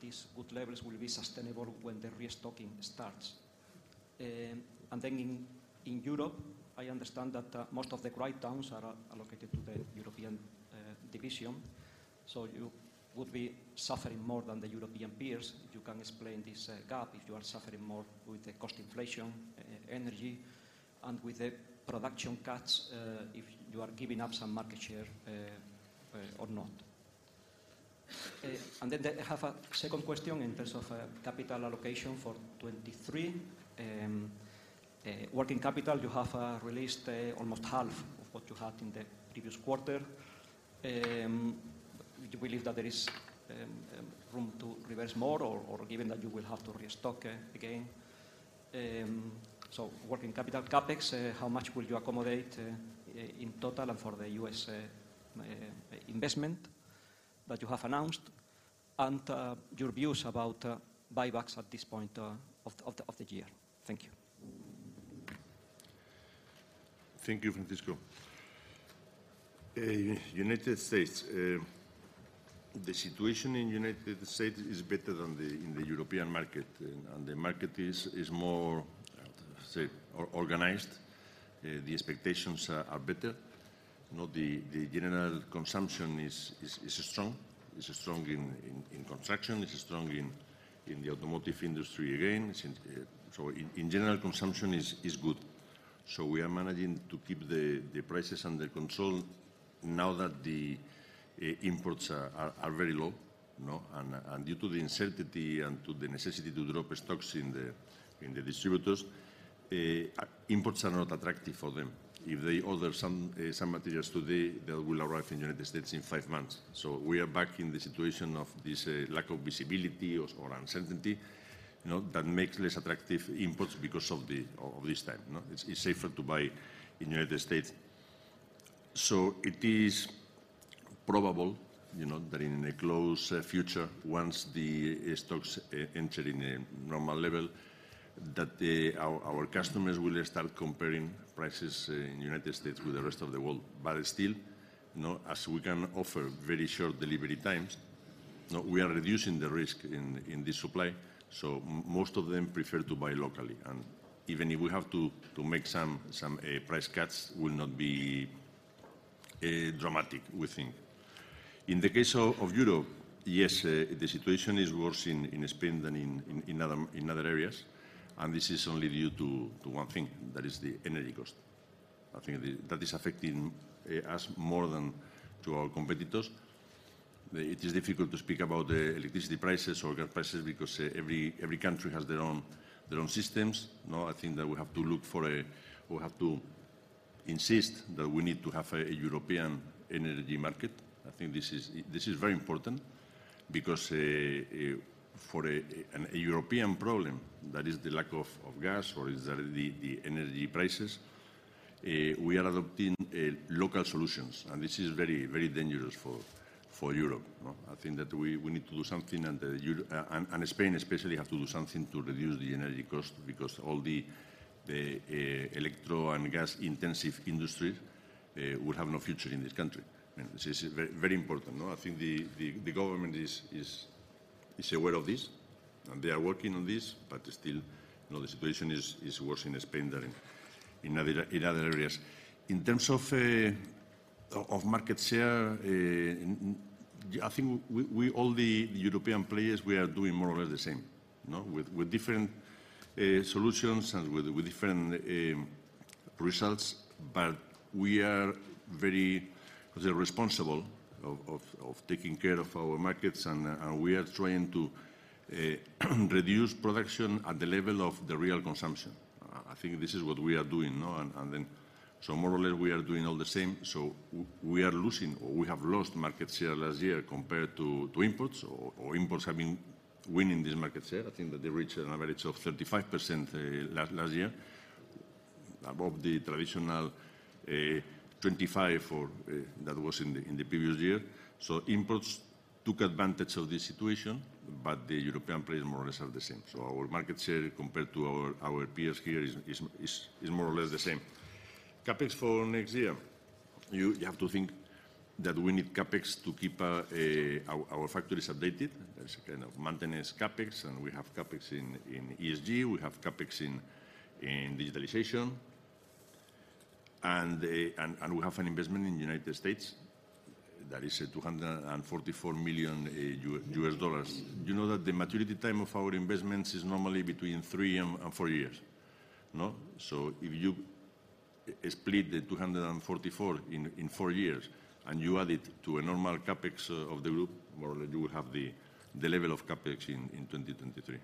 these good levels will be sustainable when the restocking starts. In Europe, I understand that most of the write-downs are allocated to the European division. You would be suffering more than the European peers. If you can explain this gap, if you are suffering more with the cost inflation, energy, and with the production cuts, if you are giving up some market share, or not. I have a second question in terms of capital allocation for 2023. Working capital, you have released almost half of what you had in the previous quarter. Do you believe that there is room to reverse more or given that you will have to restock again? Working capital CapEx, how much will you accommodate in total and for the U.S. investment that you have announced? Your views about buybacks at this point of the year. Thank you. Thank you, Francisco. United States. The situation in United States is better than in the European market. On the market is more organized. The expectations are better. You know, the general consumption is strong. Is strong in construction, is strong in the automotive industry again. In general, consumption is good. We are managing to keep the prices under control now that the imports are very low, you know. Due to the uncertainty and to the necessity to drop stocks in the distributors, imports are not attractive for them. If they order some materials today, they will arrive in United States in five months. We are back in the situation of this lack of visibility or uncertainty, you know, that makes less attractive imports because of this time, no? It's safer to buy in United States. It is probable, you know, that in the close future, once the stocks enter in a normal level, that our customers will start comparing prices in United States with the rest of the world. Still, you know, as we can offer very short delivery times, no, we are reducing the risk in this supply. Most of them prefer to buy locally. Even if we have to make some price cuts, will not be dramatic, we think. In the case of Europe, yes, the situation is worse in Spain than in other areas, and this is only due to one thing. That is the energy cost. I think that is affecting us more than to our competitors. It is difficult to speak about the electricity prices or gas prices because every country has their own systems. I think that we have to insist that we need to have a European energy market. I think this is very important because for a European problem, that is the lack of gas or is the energy prices, we are adopting local solutions and this is very, very dangerous for Europe, no? I think that we need to do something and Spain especially have to do something to reduce the energy cost because all the electro and gas-intensive industry will have no future in this country. This is very important, no? I think the government is aware of this, and they are working on this, but still, you know, the situation is worse in Spain than in other areas. In terms of market share, I think we, all the European players, we are doing more or less the same, no? With different solutions and with different results, but we are very responsible of taking care of our markets and we are trying to reduce production at the level of the real consumption. I think this is what we are doing, no? More or less, we are doing all the same. We are losing, or we have lost market share last year compared to imports or imports have been winning this market share. I think that they reached an average of 35%, last year, above the traditional 25% or that was in the previous year. Imports took advantage of this situation, but the European players more or less are the same. Our market share compared to our peers here is more or less the same. CapEx for next year. You have to think that we need CapEx to keep our factories updated. There's a kind of maintenance CapEx, and we have CapEx in ESG, we have CapEx in digitalization. And we have an investment in the United States that is $244 million U.S. dollars. You know that the maturity time of our investments is normally between three and four years, no? If you split the 244 in four years and you add it to a normal CapEx of the group, more or less you will have the level of CapEx in 2023.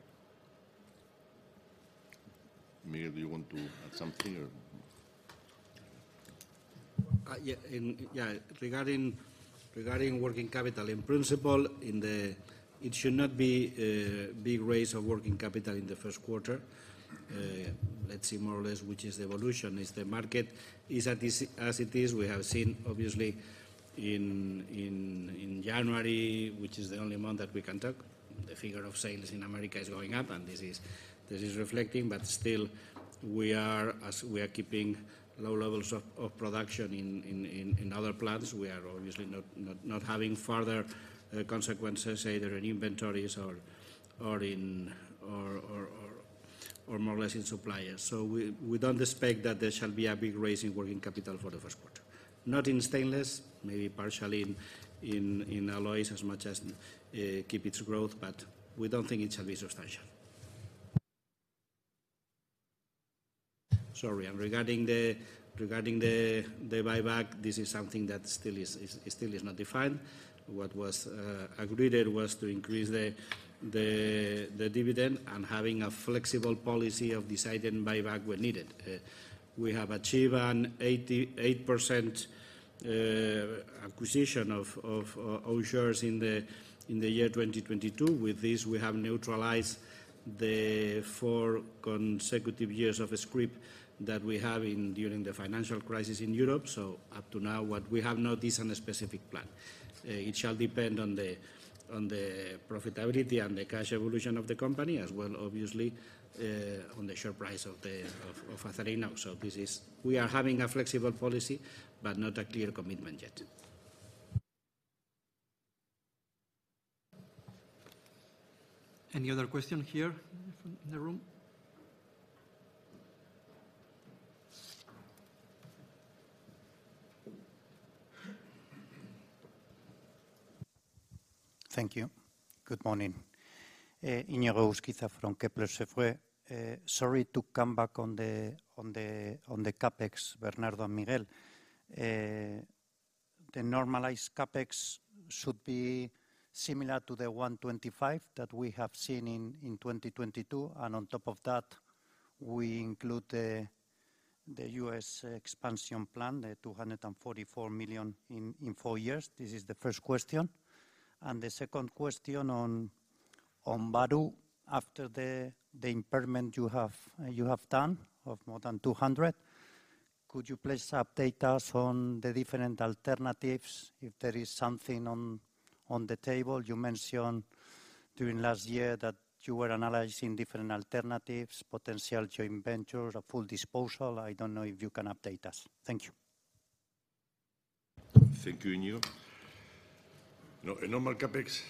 Miguel, do you want to add something or? Regarding working capital, in principle, it should not be a big raise of working capital in the first quarter. Let's see more or less which is the evolution. As it is, we have seen obviously in January, which is the only month that we can talk, the figure of sales in America is going up and this is reflecting. Still, as we are keeping low levels of production in other plants, we are obviously not having further consequences either in inventories or more or less in suppliers. We don't expect that there shall be a big raise in working capital for the first quarter. Not in stainless, maybe partially in alloys as much as keep its growth, but we don't think it shall be substantial. Sorry, and regarding the buyback, this is something that still is not defined. What was agreed, it was to increase the dividend and having a flexible policy of deciding buyback when needed. We have achieved an 88% acquisition of own shares in the year 2022. With this, we have neutralized the four consecutive years of scrip that we have in during the financial crisis in Europe. Up to now, what we have not is an specific plan. It shall depend on the profitability and the cash evolution of the company as well, obviously, on the share price of Acerinox. This is. We are having a flexible policy, but not a clear commitment yet. Any other question here in the room? Thank you. Good morning. Iñigo Egusquiza from Kepler Cheuvreux. Sorry to come back on the CapEx, Bernardo and Miguel. The normalized CapEx should be similar to 125 that we have seen in 2022, and on top of that, we include the U.S. expansion plan, the $244 million in four years. This is the first question. The second question on Bahru, after the impairment you have done of more than 200 million, could you please update us on the different alternatives if there is something on the table? You mentioned during last year that you were analyzing different alternatives, potential joint ventures or full disposal. I don't know if you can update us. Thank you. Thank you, Iñigo. No, a normal CapEx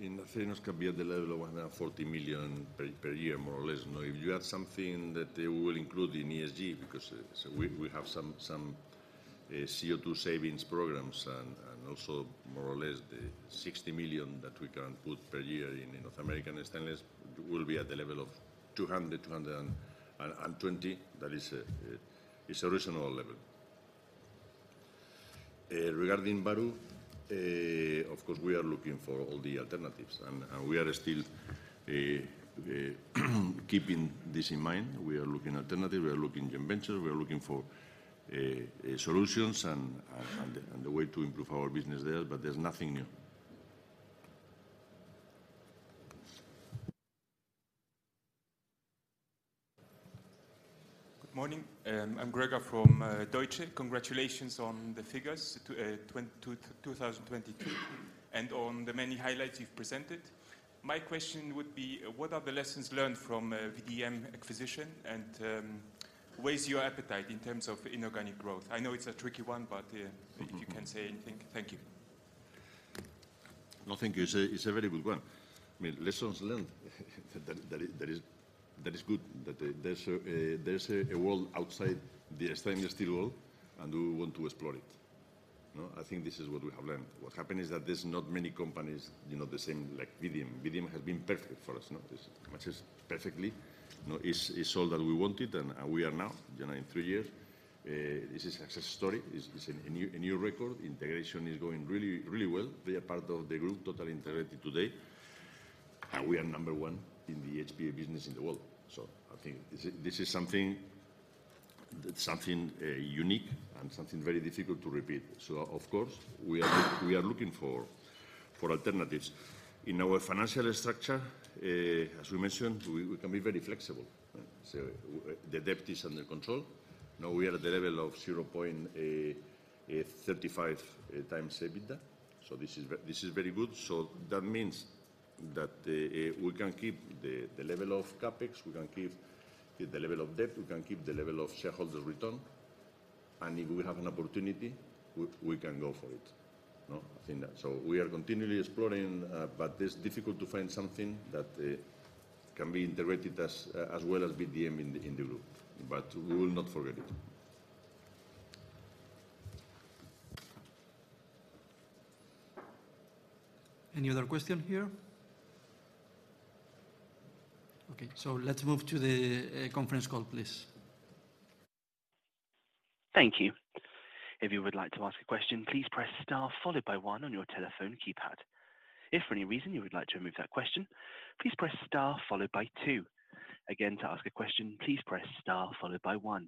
in Acerinox can be at the level of 140 million per year, more or less. You know, if you add something that we will include in ESG, because, so we have some CO2 savings programs and also more or less the 60 million that we can put per year in North American Stainless will be at the level of 220 million. That is a reasonable level. Regarding Bahru, of course, we are looking for all the alternatives and we are still keeping this in mind. We are looking alternative. We are looking joint venture. We are looking for solutions and the way to improve our business there. There's nothing new. Good morning. I'm Gregor from Deutsche. Congratulations on the figures 2022 and on the many highlights you've presented. My question would be, what are the lessons learned from VDM acquisition and where is your appetite in terms of inorganic growth? I know it's a tricky one, but. Mm-hmm. if you can say anything. Thank you. Thank you. It's a very good one. I mean, lessons learned that is good. There's a world outside the stainless steel world, we want to explore it. I think this is what we have learned. What happened is that there's not many companies, you know, the same like VDM. VDM has been perfect for us, you know. This matches perfectly. You know, it's all that we wanted, we are now, you know, in three years, this is a success story. It's a new record. Integration is going really well. They are part of the Group, totally integrated today. We are number one in the HPA business in the world. I think this is something that something unique, something very difficult to repeat. Of course, we are looking for alternatives. In our financial structure, as we mentioned, we can be very flexible. The debt is under control. Now we are at the level of 0.35x EBITDA. This is very good. That means that we can keep the level of CapEx, we can keep the level of debt, we can keep the level of shareholders' return, and if we have an opportunity, we can go for it. No? I think that. We are continually exploring, but it's difficult to find something that can be integrated as well as VDM in the group. We will not forget it. Any other question here? Okay, let's move to the conference call, please. Thank you. If you would like to ask a question, please press star followed by one on your telephone keypad. If for any reason you would like to remove that question, please press star followed by two. Again, to ask a question, please press star followed by one.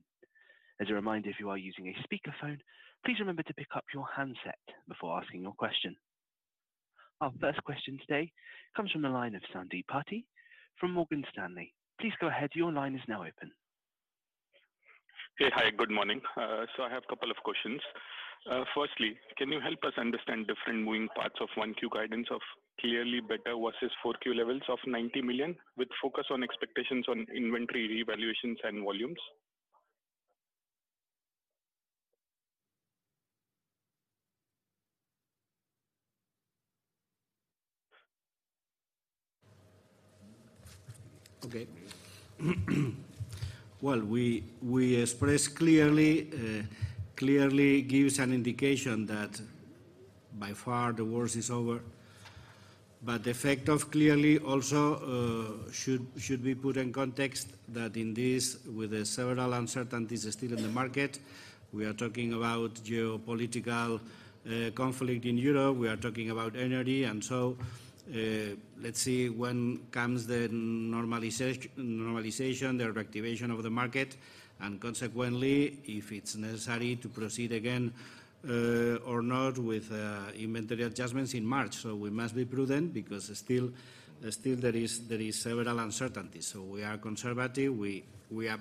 As a reminder, if you are using a speakerphone, please remember to pick up your handset before asking your question. Our first question today comes from the line of Sandeep Peety from Morgan Stanley. Please go ahead. Your line is now open. Hey. Hi, good morning. I have a couple of questions. Firstly, can you help us understand different moving parts of 1Q guidance of clearly better versus 4Q levels of 90 million, with focus on expectations on inventory revaluations and volumes? Okay. Well, we express clearly gives an indication that by far the worst is over. The effect of clearly also should be put in context that in this, with the several uncertainties still in the market, we are talking about geopolitical conflict in Europe, we are talking about energy. Let's see when comes the normalization, the reactivation of the market, and consequently, if it's necessary to proceed again or not with inventory adjustments in March. We must be prudent because still there is several uncertainties. We are conservative. We are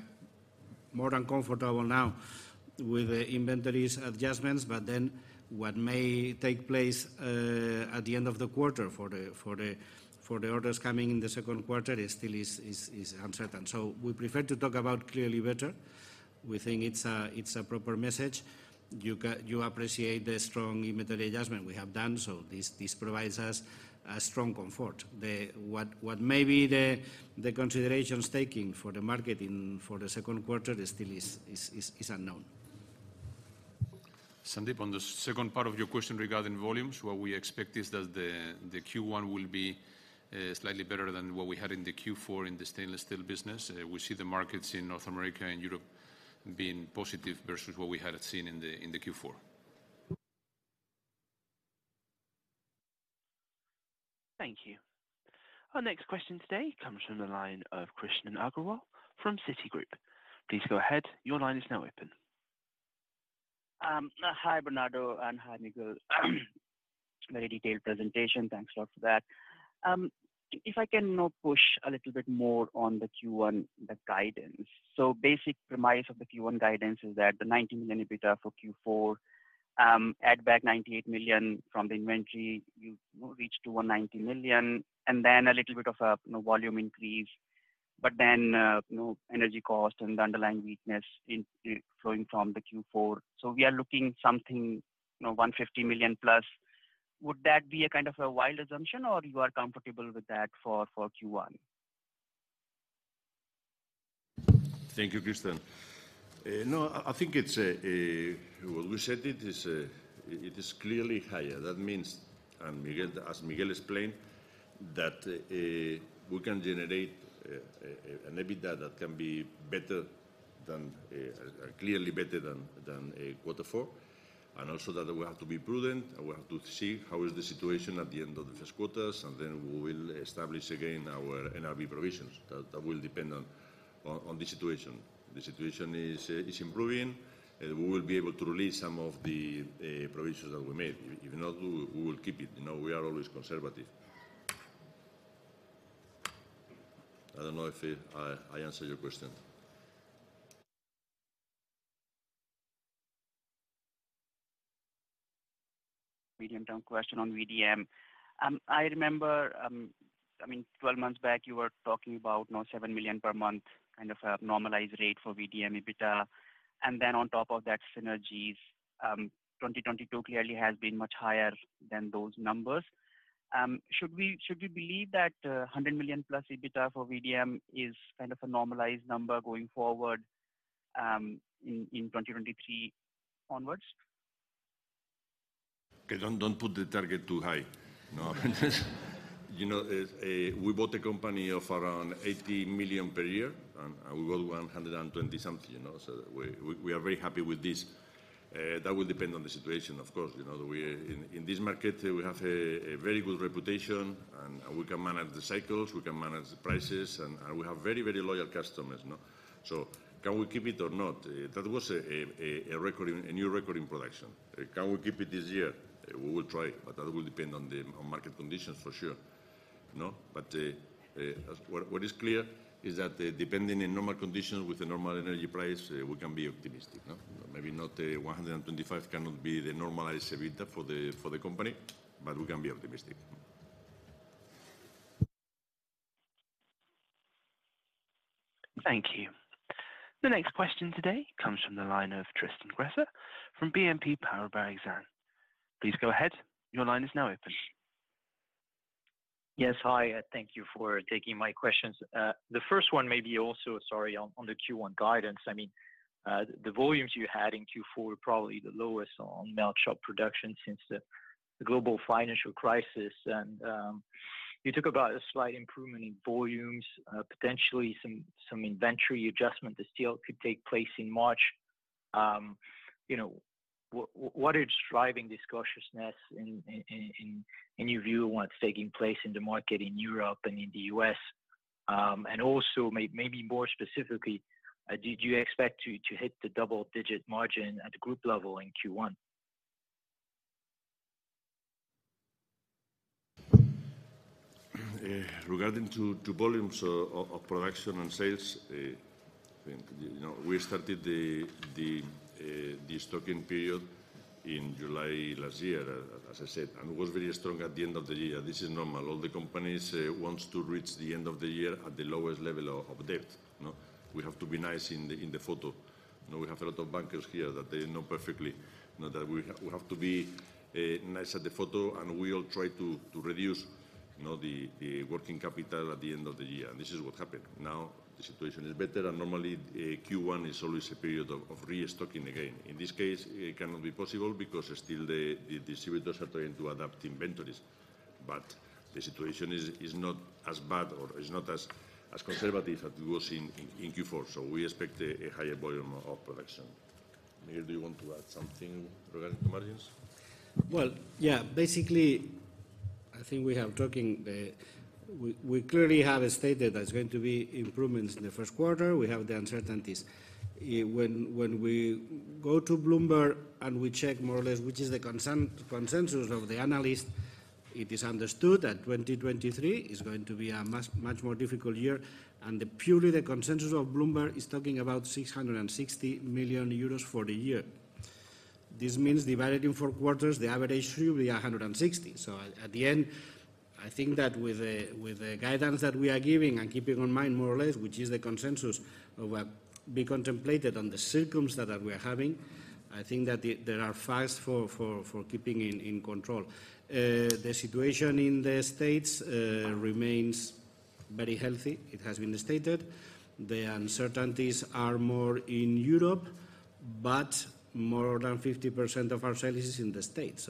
more than comfortable now with the inventories adjustments. What may take place at the end of the quarter for the orders coming in the second quarter is still uncertain. We prefer to talk about clearly better. We think it's a proper message. You appreciate the strong inventory adjustment we have done, so this provides us a strong comfort. What may be the considerations taking for the market in, for the second quarter still is unknown. Sandeep, on the second part of your question regarding volumes, what we expect is that the Q1 will be slightly better than what we had in the Q4 in the stainless steel business. We see the markets in North America and Europe being positive versus what we had seen in the Q4. Thank you. Our next question today comes from the line of Krishan Agarwal from Citigroup. Please go ahead. Your line is now open. Hi, Bernardo, and hi, Miguel. Very detailed presentation. Thanks a lot for that. If I can now push a little bit more on the Q1, the guidance. Basic premise of the Q1 guidance is that the 19 million EBITDA for Q4, add back 98 million from the inventory, you reach to 190 million, and then a little bit of a, you know, volume increase. Energy cost and the underlying weakness in, flowing from the Q4. We are looking something, you know, 150 million plus. Would that be a kind of a wild assumption or you are comfortable with that for Q1? Thank you, Krishnan. No, I think it's What we said it is clearly higher. Miguel, as Miguel explained, that we can generate an EBITDA that can be clearly better than quarter four. We have to be prudent, we have to see how is the situation at the end of the first quarters, then we will establish again our NRV provisions. That will depend on the situation. The situation is improving, we will be able to release some of the provisions that we made. If not, we will keep it. You know, we are always conservative. I don't know if I answered your question. Medium-term question on VDM. I remember, I mean, 12 months back, you were talking about, you know, 7 million per month, kind of a normalized rate for VDM EBITDA, and then on top of that, synergies. 2022 clearly has been much higher than those numbers. Should we believe that 100 million-plus EBITDA for VDM is kind of a normalized number going forward in 2023 onwards? Okay. Don't put the target too high. No. You know, we bought a company of around 80 million per year and we got 120 something, you know. We are very happy with this. That will depend on the situation, of course. You know, in this market, we have a very good reputation and we can manage the cycles, we can manage the prices, and we have very loyal customers, no? Can we keep it or not? That was a new record in production. Can we keep it this year? We will try, but that will depend on the market conditions for sure, no? As... What is clear is that, depending in normal conditions with the normal energy price, we can be optimistic, no? Maybe not, 125 cannot be the normalized EBITDA for the company, but we can be optimistic. Thank you. The next question today comes from the line of Tristan Gresser from BNP Paribas Exane. Please go ahead. Your line is now open. Yes. Hi, and thank you for taking my questions. The first one may be also, sorry, on the Q1 guidance. I mean, the volumes you had in Q4 were probably the lowest on melting shop production since the global financial crisis. You talk about a slight improvement in volumes, potentially some inventory adjustment that still could take place in March. You know, what is driving this cautiousness in your view on what's taking place in the market in Europe and in the U.S.? Also maybe more specifically, did you expect to hit the double-digit margin at the group level in Q1? Regarding to volumes of production and sales, I think, you know, we started the stocking period in July last year, as I said, and it was very strong at the end of the year. This is normal. All the companies wants to reach the end of the year at the lowest level of debt, no. We have to be nice in the photo. You know, we have a lot of bankers here that they know perfectly, you know, that we have to be nice at the photo, and we all try to reduce, you know, the working capital at the end of the year. This is what happened. Now, the situation is better and normally, Q1 is always a period of restocking again. In this case, it cannot be possible because still the distributors are trying to adapt inventories. The situation is not as bad or is not as conservative as it was in Q4. We expect a higher volume of production. Miguel, do you want to add something regarding the margins? Well, yeah. Basically, I think we have talking the. We clearly have stated there's going to be improvements in the first quarter. We have the uncertainties. When we go to Bloomberg and we check more or less which is the consensus of the analyst, it is understood that 2023 is going to be a much, much more difficult year, purely the consensus of Bloomberg is talking about 660 million euros for the year. This means divided in four quarters, the average should be 160. At the end, I think that with the, with the guidance that we are giving and keeping in mind more or less, which is the consensus of what be contemplated on the circumstance that we are having, I think that the. There are facts for keeping in control. The situation in the States remains very healthy. It has been stated. The uncertainties are more in Europe, but more than 50% of our sales is in the States.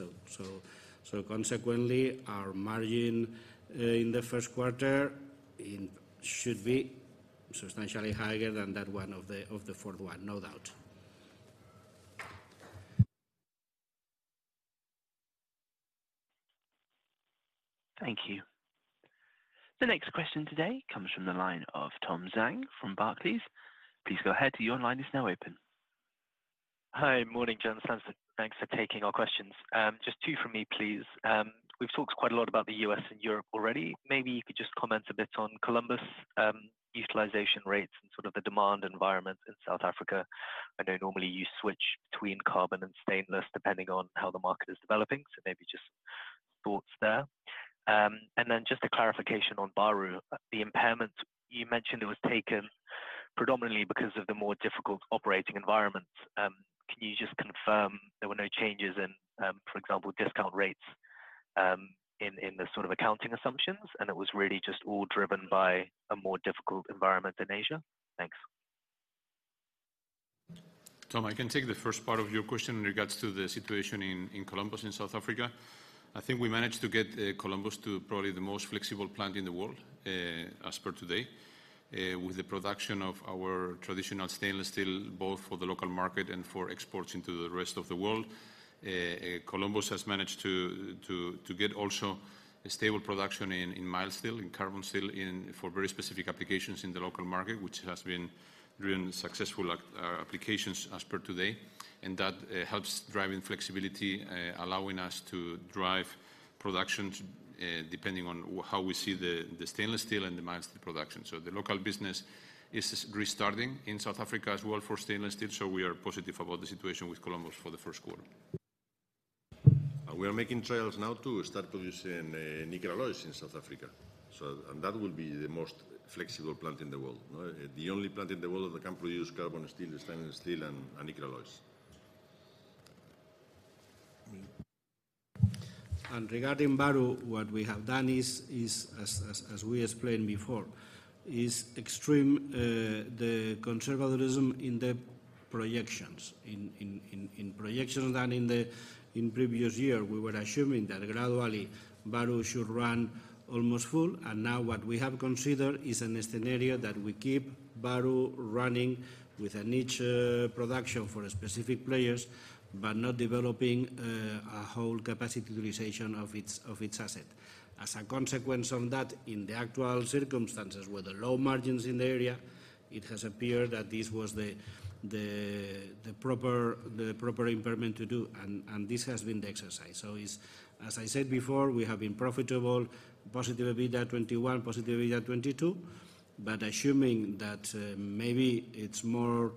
So consequently, our margin in the first quarter it should be substantially higher than that one of the fourth one, no doubt. Thank you. The next question today comes from the line of Tom Zhang from Barclays. Please go ahead. Your line is now open. Hi. Morning, gentlemen. Thanks for taking our questions. Just two from me, please. We've talked quite a lot about the U.S. and Europe already. Maybe you could just comment a bit on Columbus, utilization rates and sort of the demand environment in South Africa. I know normally you switch between carbon and stainless depending on how the market is developing, so maybe just thoughts there. And then just a clarification on Bahru. The impairment, you mentioned it was taken predominantly because of the more difficult operating environment. Can you just confirm there were no changes in, for example, discount rates, in the sort of accounting assumptions, and it was really just all driven by a more difficult environment in Asia? Thanks. Tom, I can take the first part of your question in regards to the situation in Columbus in South Africa. I think we managed to get Columbus to probably the most flexible plant in the world as per today. With the production of our traditional stainless steel, both for the local market and for exports into the rest of the world. Columbus has managed to get also a stable production in mild steel, in carbon steel for very specific applications in the local market, which has been driven successful at applications as per today. That helps driving flexibility, allowing us to drive production depending on how we see the stainless steel and the mild steel production. The local business is restarting in South Africa as well for stainless steel, so we are positive about the situation with Columbus for the first quarter. We are making trials now to start producing nickel alloys in South Africa. That will be the most flexible plant in the world, no? The only plant in the world that can produce carbon steel, stainless steel and nickel alloys. Regarding Bahru, what we have done is as we explained before, is extreme the conservatism in the projections. In projections and in the previous year, we were assuming that gradually Bahru should run almost full. Now what we have considered is an scenario that we keep Bahru running with a niche production for specific players, but not developing a whole capacity utilization of its asset. As a consequence of that, in the actual circumstances, with the low margins in the area, it has appeared that this was the proper impairment to do and this has been the exercise. As I said before, we have been profitable, positive EBITDA 2021, positive EBITDA 2022. Assuming that, maybe it's more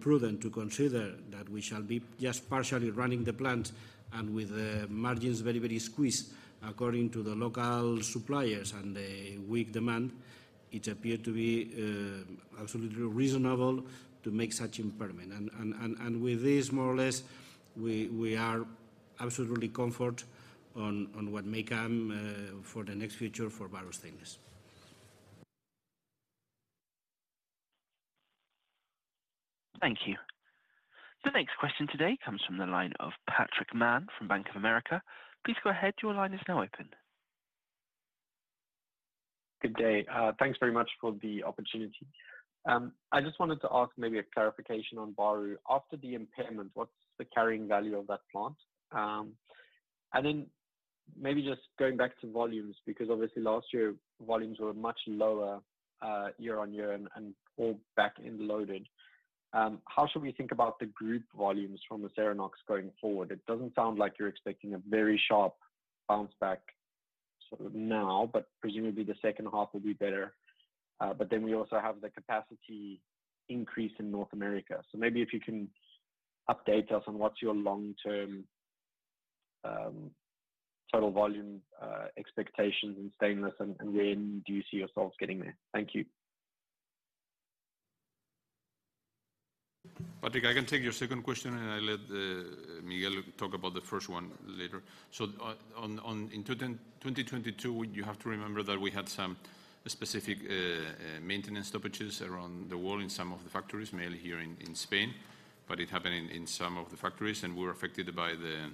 prudent to consider that we shall be just partially running the plant and with the margins very squeezed according to the local suppliers and the weak demand, it appeared to be absolutely reasonable to make such impairment. With this more or less, we are absolutely comfort on what may come for the next future for Bahru Stainless. Thank you. The next question today comes from the line of Patrick Mann from Bank of America. Please go ahead. Your line is now open. Good day. Thanks very much for the opportunity. I just wanted to ask maybe a clarification on Bahru. After the impairment, what's the carrying value of that plant? Maybe just going back to volumes, because obviously last year volumes were much lower, year-on-year and all back-end loaded. How should we think about the group volumes from Acerinox going forward? It doesn't sound like you're expecting a very sharp bounce back sort of now, but presumably the second half will be better. We also have the capacity increase in North America. Maybe if you can update us on what's your long-term total volume expectations in stainless and when do you see yourselves getting there? Thank you. Patrick, I can take your second question, and I let Miguel talk about the first one later. In 2022 you have to remember that we had some specific maintenance stoppages around the world in some of the factories, mainly here in Spain, but it happened in some of the factories and were affected by the.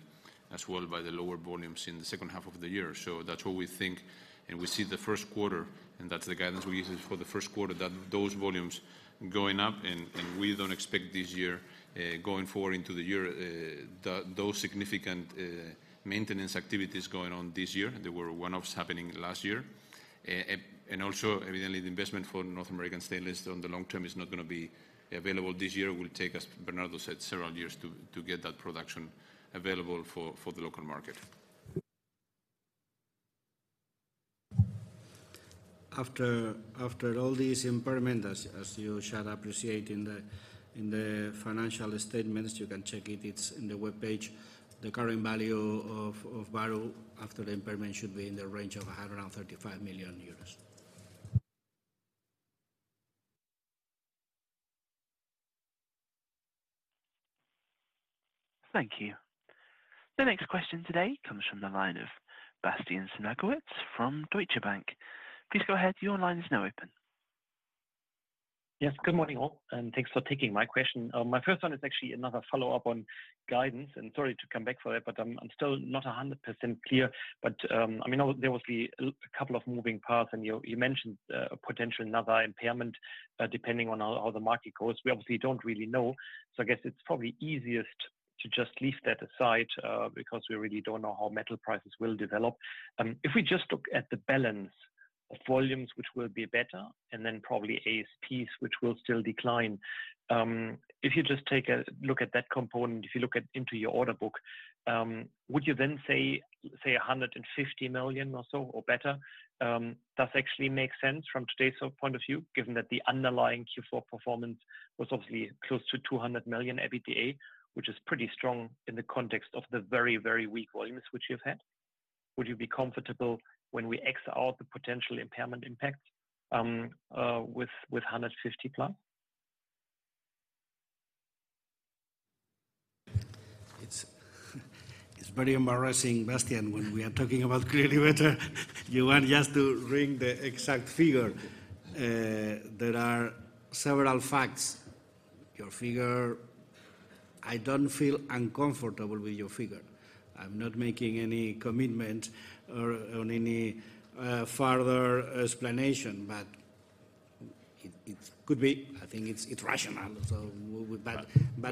As well by the lower volumes in the second half of the year. That's what we think, and we see the first quarter, and that's the guidance we give for the first quarter, that those volumes going up. We don't expect this year, going forward into the year, those significant maintenance activities going on this year. They were one-offs happening last year. Also, evidently, the investment for North American Stainless on the long term is not gonna be available this year. It will take us, Bernardo said, several years to get that production available for the local market. After all this impairment, as you shall appreciate in the financial statements, you can check it's in the webpage. The current value of Bahru after the impairment should be in the range of 135 million euros. Thank you. The next question today comes from the line of Bastian Synagowitz from Deutsche Bank. Please go ahead. Your line is now open. Yes. Good morning all, and thanks for taking my question. My first one is actually another follow-up on guidance. Sorry to come back for it, but I'm still not 100% clear. I mean, there was a couple of moving parts, and you mentioned potential another impairment depending on how the market goes. We obviously don't really know. I guess it's probably easiest to just leave that aside, because we really don't know how metal prices will develop. If we just look at the balance of volumes, which will be better and then probably ASPs, which will still decline. If you just take a look at that component, if you look at into your order book, would you say 150 million or so or better, does actually make sense from today's point of view, given that the underlying Q4 performance was obviously close to 200 million EBITDA, which is pretty strong in the context of the very weak volumes which you've had. Would you be comfortable when we X out the potential impairment impact, with EUR 150+? It's very embarrassing, Bastian, when we are talking about clearly better, you want just to ring the exact figure. There are several facts. Your figure. I don't feel uncomfortable with your figure. I'm not making any commitment or on any further explanation, but it could be. I think it's rational.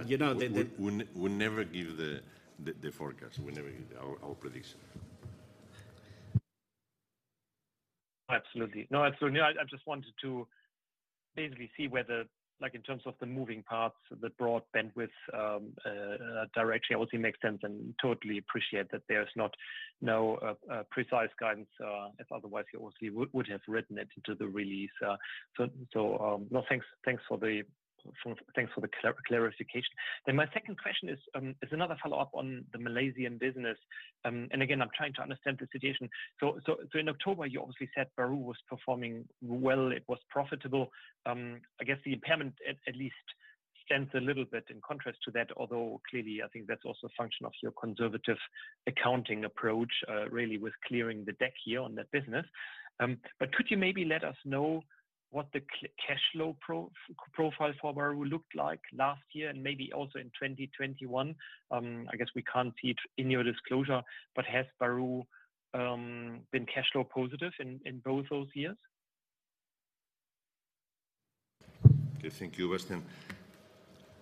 you know, the. We never give the, the forecast. We never give our prediction. Absolutely. Absolutely. I just wanted to basically see whether like in terms of the moving parts, the broad bandwidth, direction obviously makes sense and totally appreciate that there's not no precise guidance. If otherwise you obviously would have written it into the release. No, thanks for the clarification. My second question is another follow-up on the Malaysian business. Again, I'm trying to understand the situation. In October, you obviously said Bahru was performing well, it was profitable. I guess the impairment at least stands a little bit in contrast to that, although clearly, I think that's also a function of your conservative accounting approach, really with clearing the deck here on that business. Could you maybe let us know what the cash flow profile for Bahru looked like last year and maybe also in 2021? I guess we can't see it in your disclosure, but has Bahru been cash flow positive in both those years? Okay. Thank you,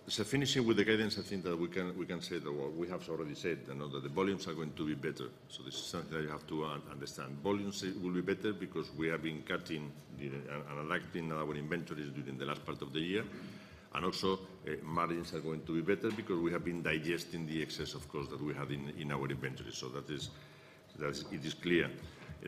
Bastian. Finishing with the guidance, I think that we can say that what we have already said and know that the volumes are going to be better. This is something that you have to understand. Volumes will be better because we have been cutting and electing our inventories during the last part of the year. Margins are going to be better because we have been digesting the excess of costs that we had in our inventory. That is clear.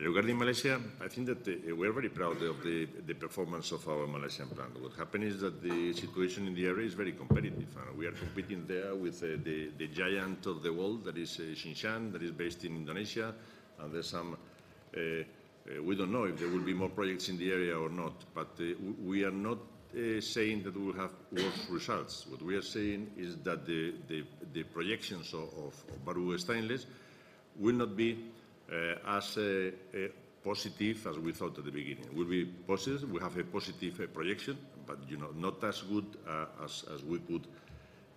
Regarding Malaysia, I think that we are very proud of the performance of our Malaysian plant. What happened is that the situation in the area is very competitive, and we are competing there with the giant of the world that is Tsingshan, that is based in Indonesia. There's some. We don't know if there will be more projects in the area or not. We are not saying that we will have worse results. What we are saying is that the projections of Bahru Stainless will not be as positive as we thought at the beginning. We'll be positive. We have a positive projection, you know, not as good as we could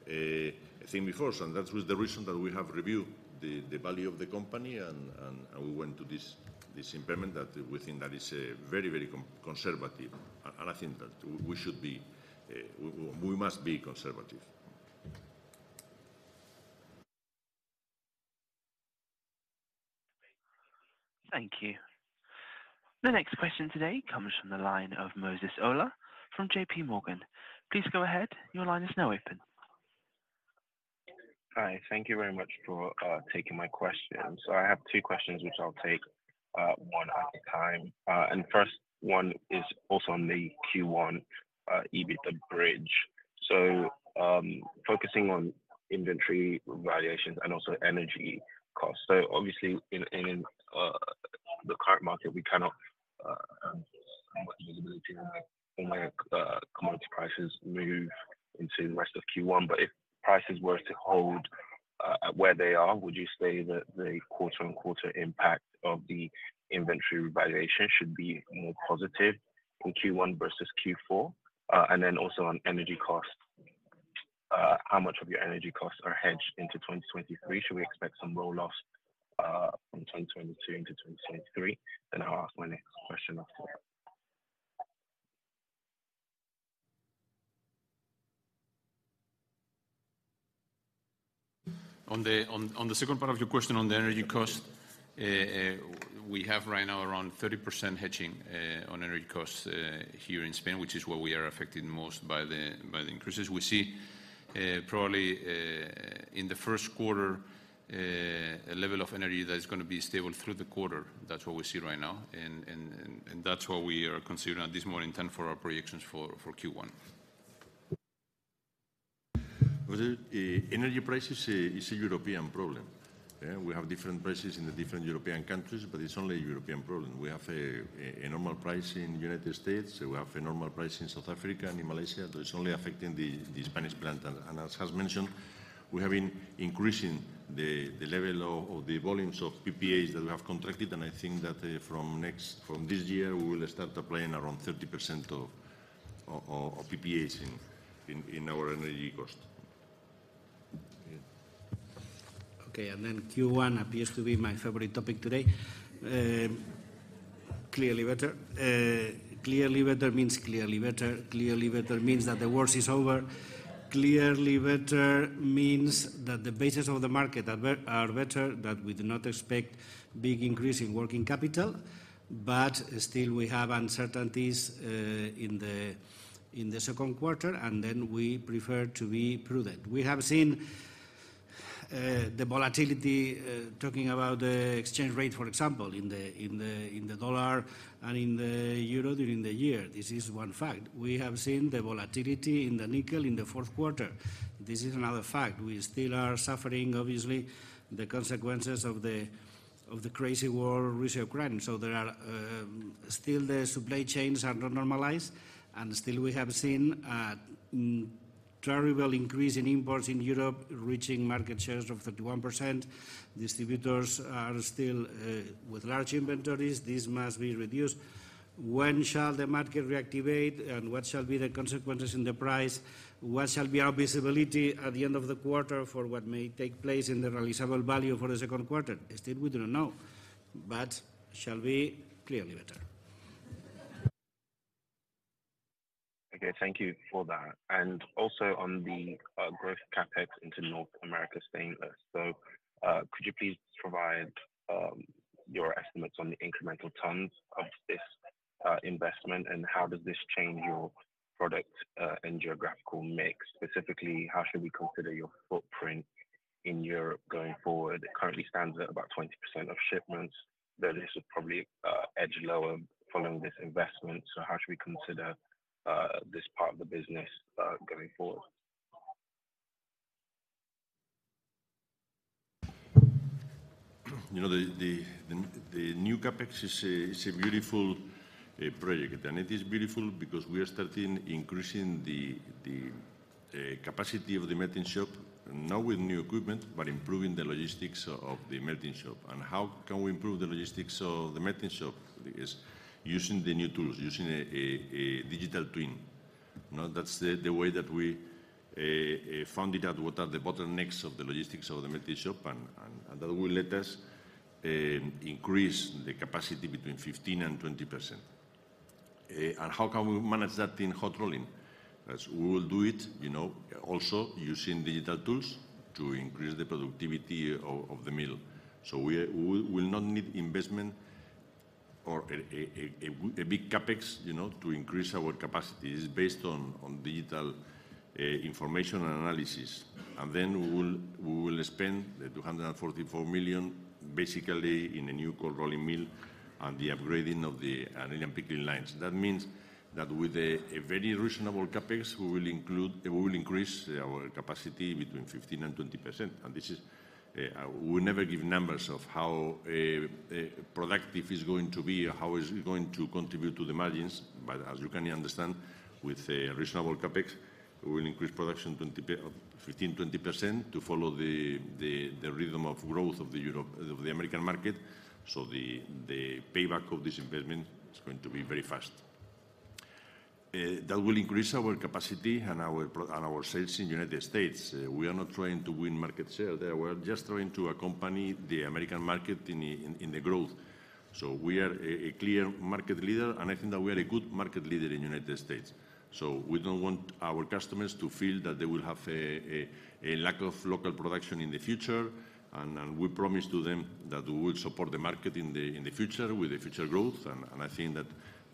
think before. That was the reason that we have reviewed the value of the company and we went to this impairment that we think that is very conservative. And I think that we should be, we must be conservative. Thank you. The next question today comes from the line of Moses Ola from JPMorgan. Please go ahead. Your line is now open. Hi. Thank you very much for taking my question. I have two questions, which I'll take one at a time. First one is also on the Q1 EBITDA bridge. Focusing on inventory valuations and also energy costs. Obviously, in the current market, we cannot how much visibility on where commodity prices move into the rest of Q1. If prices were to hold where they are, would you say that the quarter-on-quarter impact of the inventory revaluation should be more positive in Q1 versus Q4? Also on energy costs. How much of your energy costs are hedged into 2023? Should we expect some roll-off from 2022 into 2023? I'll ask my next question after that. On the second part of your question on the energy cost, we have right now around 30% hedging on energy costs here in Spain, which is where we are affected most by the increases. We see probably in the first quarter a level of energy that is gonna be stable through the quarter. That's what we see right now and that's what we are considering at this moment in time for our projections for Q1. Moses, energy prices is a European problem. We have different prices in the different European countries, but it's only a European problem. We have a normal price in United States, we have a normal price in South Africa and in Malaysia, it's only affecting the Spanish plant. As has mentioned, we have been increasing the level of the volumes of PPAs that we have contracted. I think that, from this year, we will start applying around 30% of PPAs in our energy cost. Okay. Q1 appears to be my favorite topic today. Clearly better. Clearly better means clearly better. Clearly better means that the worst is over. Clearly better means that the basis of the market are better, that we do not expect big increase in working capital. Still we have uncertainties in the second quarter, we prefer to be prudent. We have seen the volatility talking about the exchange rate, for example, in the dollar and in the euro during the year. This is one fact. We have seen the volatility in the nickel in the fourth quarter. This is another fact. We still are suffering, obviously, the consequences of the crazy war Russia-Ukraine. There are still the supply chains are not normalized. Still we have seen a terrible increase in imports in Europe reaching market shares of 31%. Distributors are still with large inventories. This must be reduced. When shall the market reactivate and what shall be the consequences in the price? What shall be our visibility at the end of the quarter for what may take place in the realizable value for the second quarter? Still we do not know. Shall be clearly better. Okay, thank you for that. Also on the growth CapEx into North American Stainless. Could you please provide your estimates on the incremental tons of this investment and how does this change your product and geographical mix? Specifically, how should we consider your footprint in Europe going forward? It currently stands at about 20% of shipments, though this will probably edge lower following this investment. How should we consider this part of the business going forward? You know, the new CapEx is a beautiful project. It is beautiful because we are starting increasing the capacity of the melting shop, not with new equipment, but improving the logistics of the melting shop. How can we improve the logistics of the melting shop? Is using the new tools, using a digital twin. You know, that's the way that we found it out what are the bottlenecks of the logistics of the melting shop and that will let us increase the capacity between 15% and 20%. How can we manage that in hot rolling? As we will do it, you know, also using digital tools to increase the productivity of the mill. We will not need investment or a big CapEx, you know, to increase our capacity. It's based on digital information analysis. Then we will spend $244 million basically in a new cold rolling mill and the upgrading of the annealing and pickling lines. That means that with a very reasonable CapEx, we will increase our capacity between 15% and 20%. This is, we never give numbers of how productive is going to be or how is it going to contribute to the margins. As you can understand, with a reasonable CapEx, we will increase production 15%-20% to follow the rhythm of growth of the American market. The payback of this investment is going to be very fast. That will increase our capacity and our sales in United States. We are not trying to win market share there. We are just trying to accompany the American market in the growth. We are a clear market leader, and I think that we are a good market leader in United States. We don't want our customers to feel that they will have a lack of local production in the future and we promise to them that we will support the market in the future with the future growth. I think that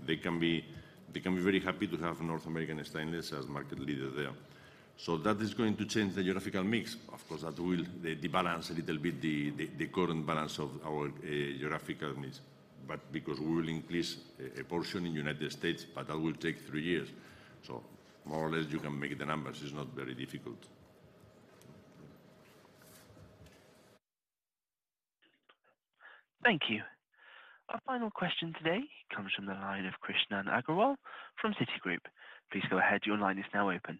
they can be very happy to have North American Stainless as market leader there. That is going to change the geographical mix. Of course, that will debalance a little bit the current balance of our geographical mix. Because we will increase a portion in United States, that will take three years. More or less you can make the numbers. It's not very difficult. Thank you. Our final question today comes from the line of Krishan Agarwal from Citigroup. Please go ahead. Your line is now open.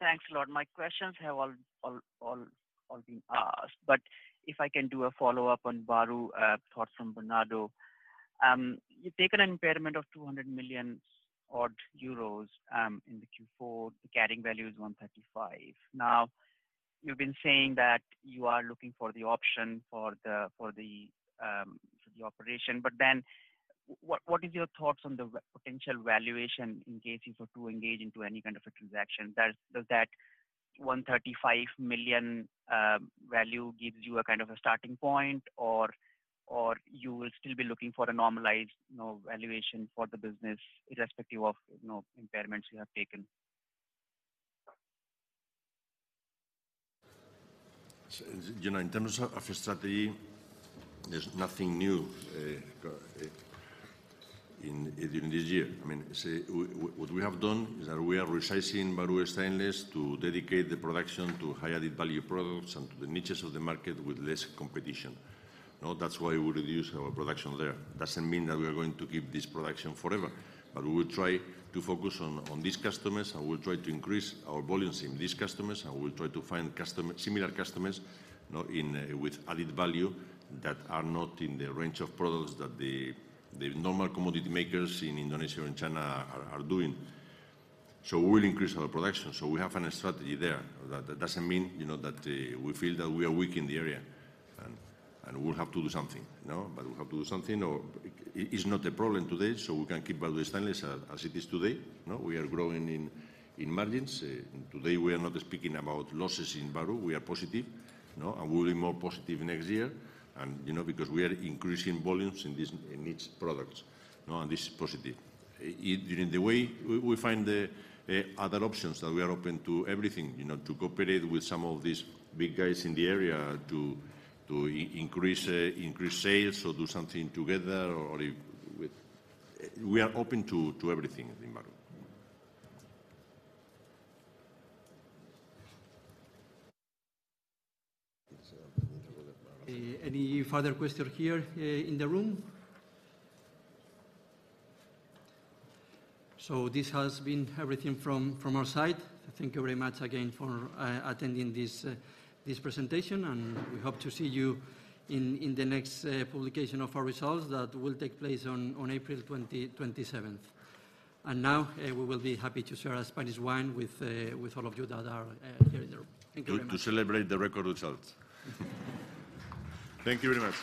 Thanks a lot. My questions have all been asked. If I can do a follow-up on Bahru, thoughts from Bernardo. You've taken an impairment of 200 million odd euros in the Q4. The carrying value is 135. You've been saying that you are looking for the option for the operation. What is your thoughts on the re-potential valuation in case you were to engage into any kind of a transaction? Does that 135 million value gives you a kind of a starting point or you will still be looking for a normalized, you know, valuation for the business irrespective of, you know, impairments you have taken? You know, in terms of strategy, there's nothing new during this year. I mean, what we have done is that we are resizing Bahru Stainless to dedicate the production to high added value products and to the niches of the market with less competition. You know, that's why we reduce our production there. Doesn't mean that we are going to keep this production forever, but we will try to focus on these customers, and we'll try to increase our volumes in these customers, and we'll try to find similar customers, you know, with added value that are not in the range of products that the normal commodity makers in Indonesia or in China are doing. We'll increase our production, so we have a strategy there. That doesn't mean, you know, that we feel that we are weak in the area and we'll have to do something. No. We have to do something or it's not a problem today, so we can keep Bahru Stainless as it is today. No, we are growing in margins. Today we are not speaking about losses in Bahru. We are positive, you know, and we'll be more positive next year and, you know, because we are increasing volumes in each products. You know, this is positive. In the way we find the other options that we are open to everything. You know, to cooperate with some of these big guys in the area to increase sales or do something together. We are open to everything in Bahru. Any further question here in the room? This has been everything from our side. Thank you very much again for attending this presentation, and we hope to see you in the next publication of our results that will take place on April 27th. Now, we will be happy to share a Spanish wine with all of you that are here in the room. Thank you very much. To celebrate the record results. Thank you very much.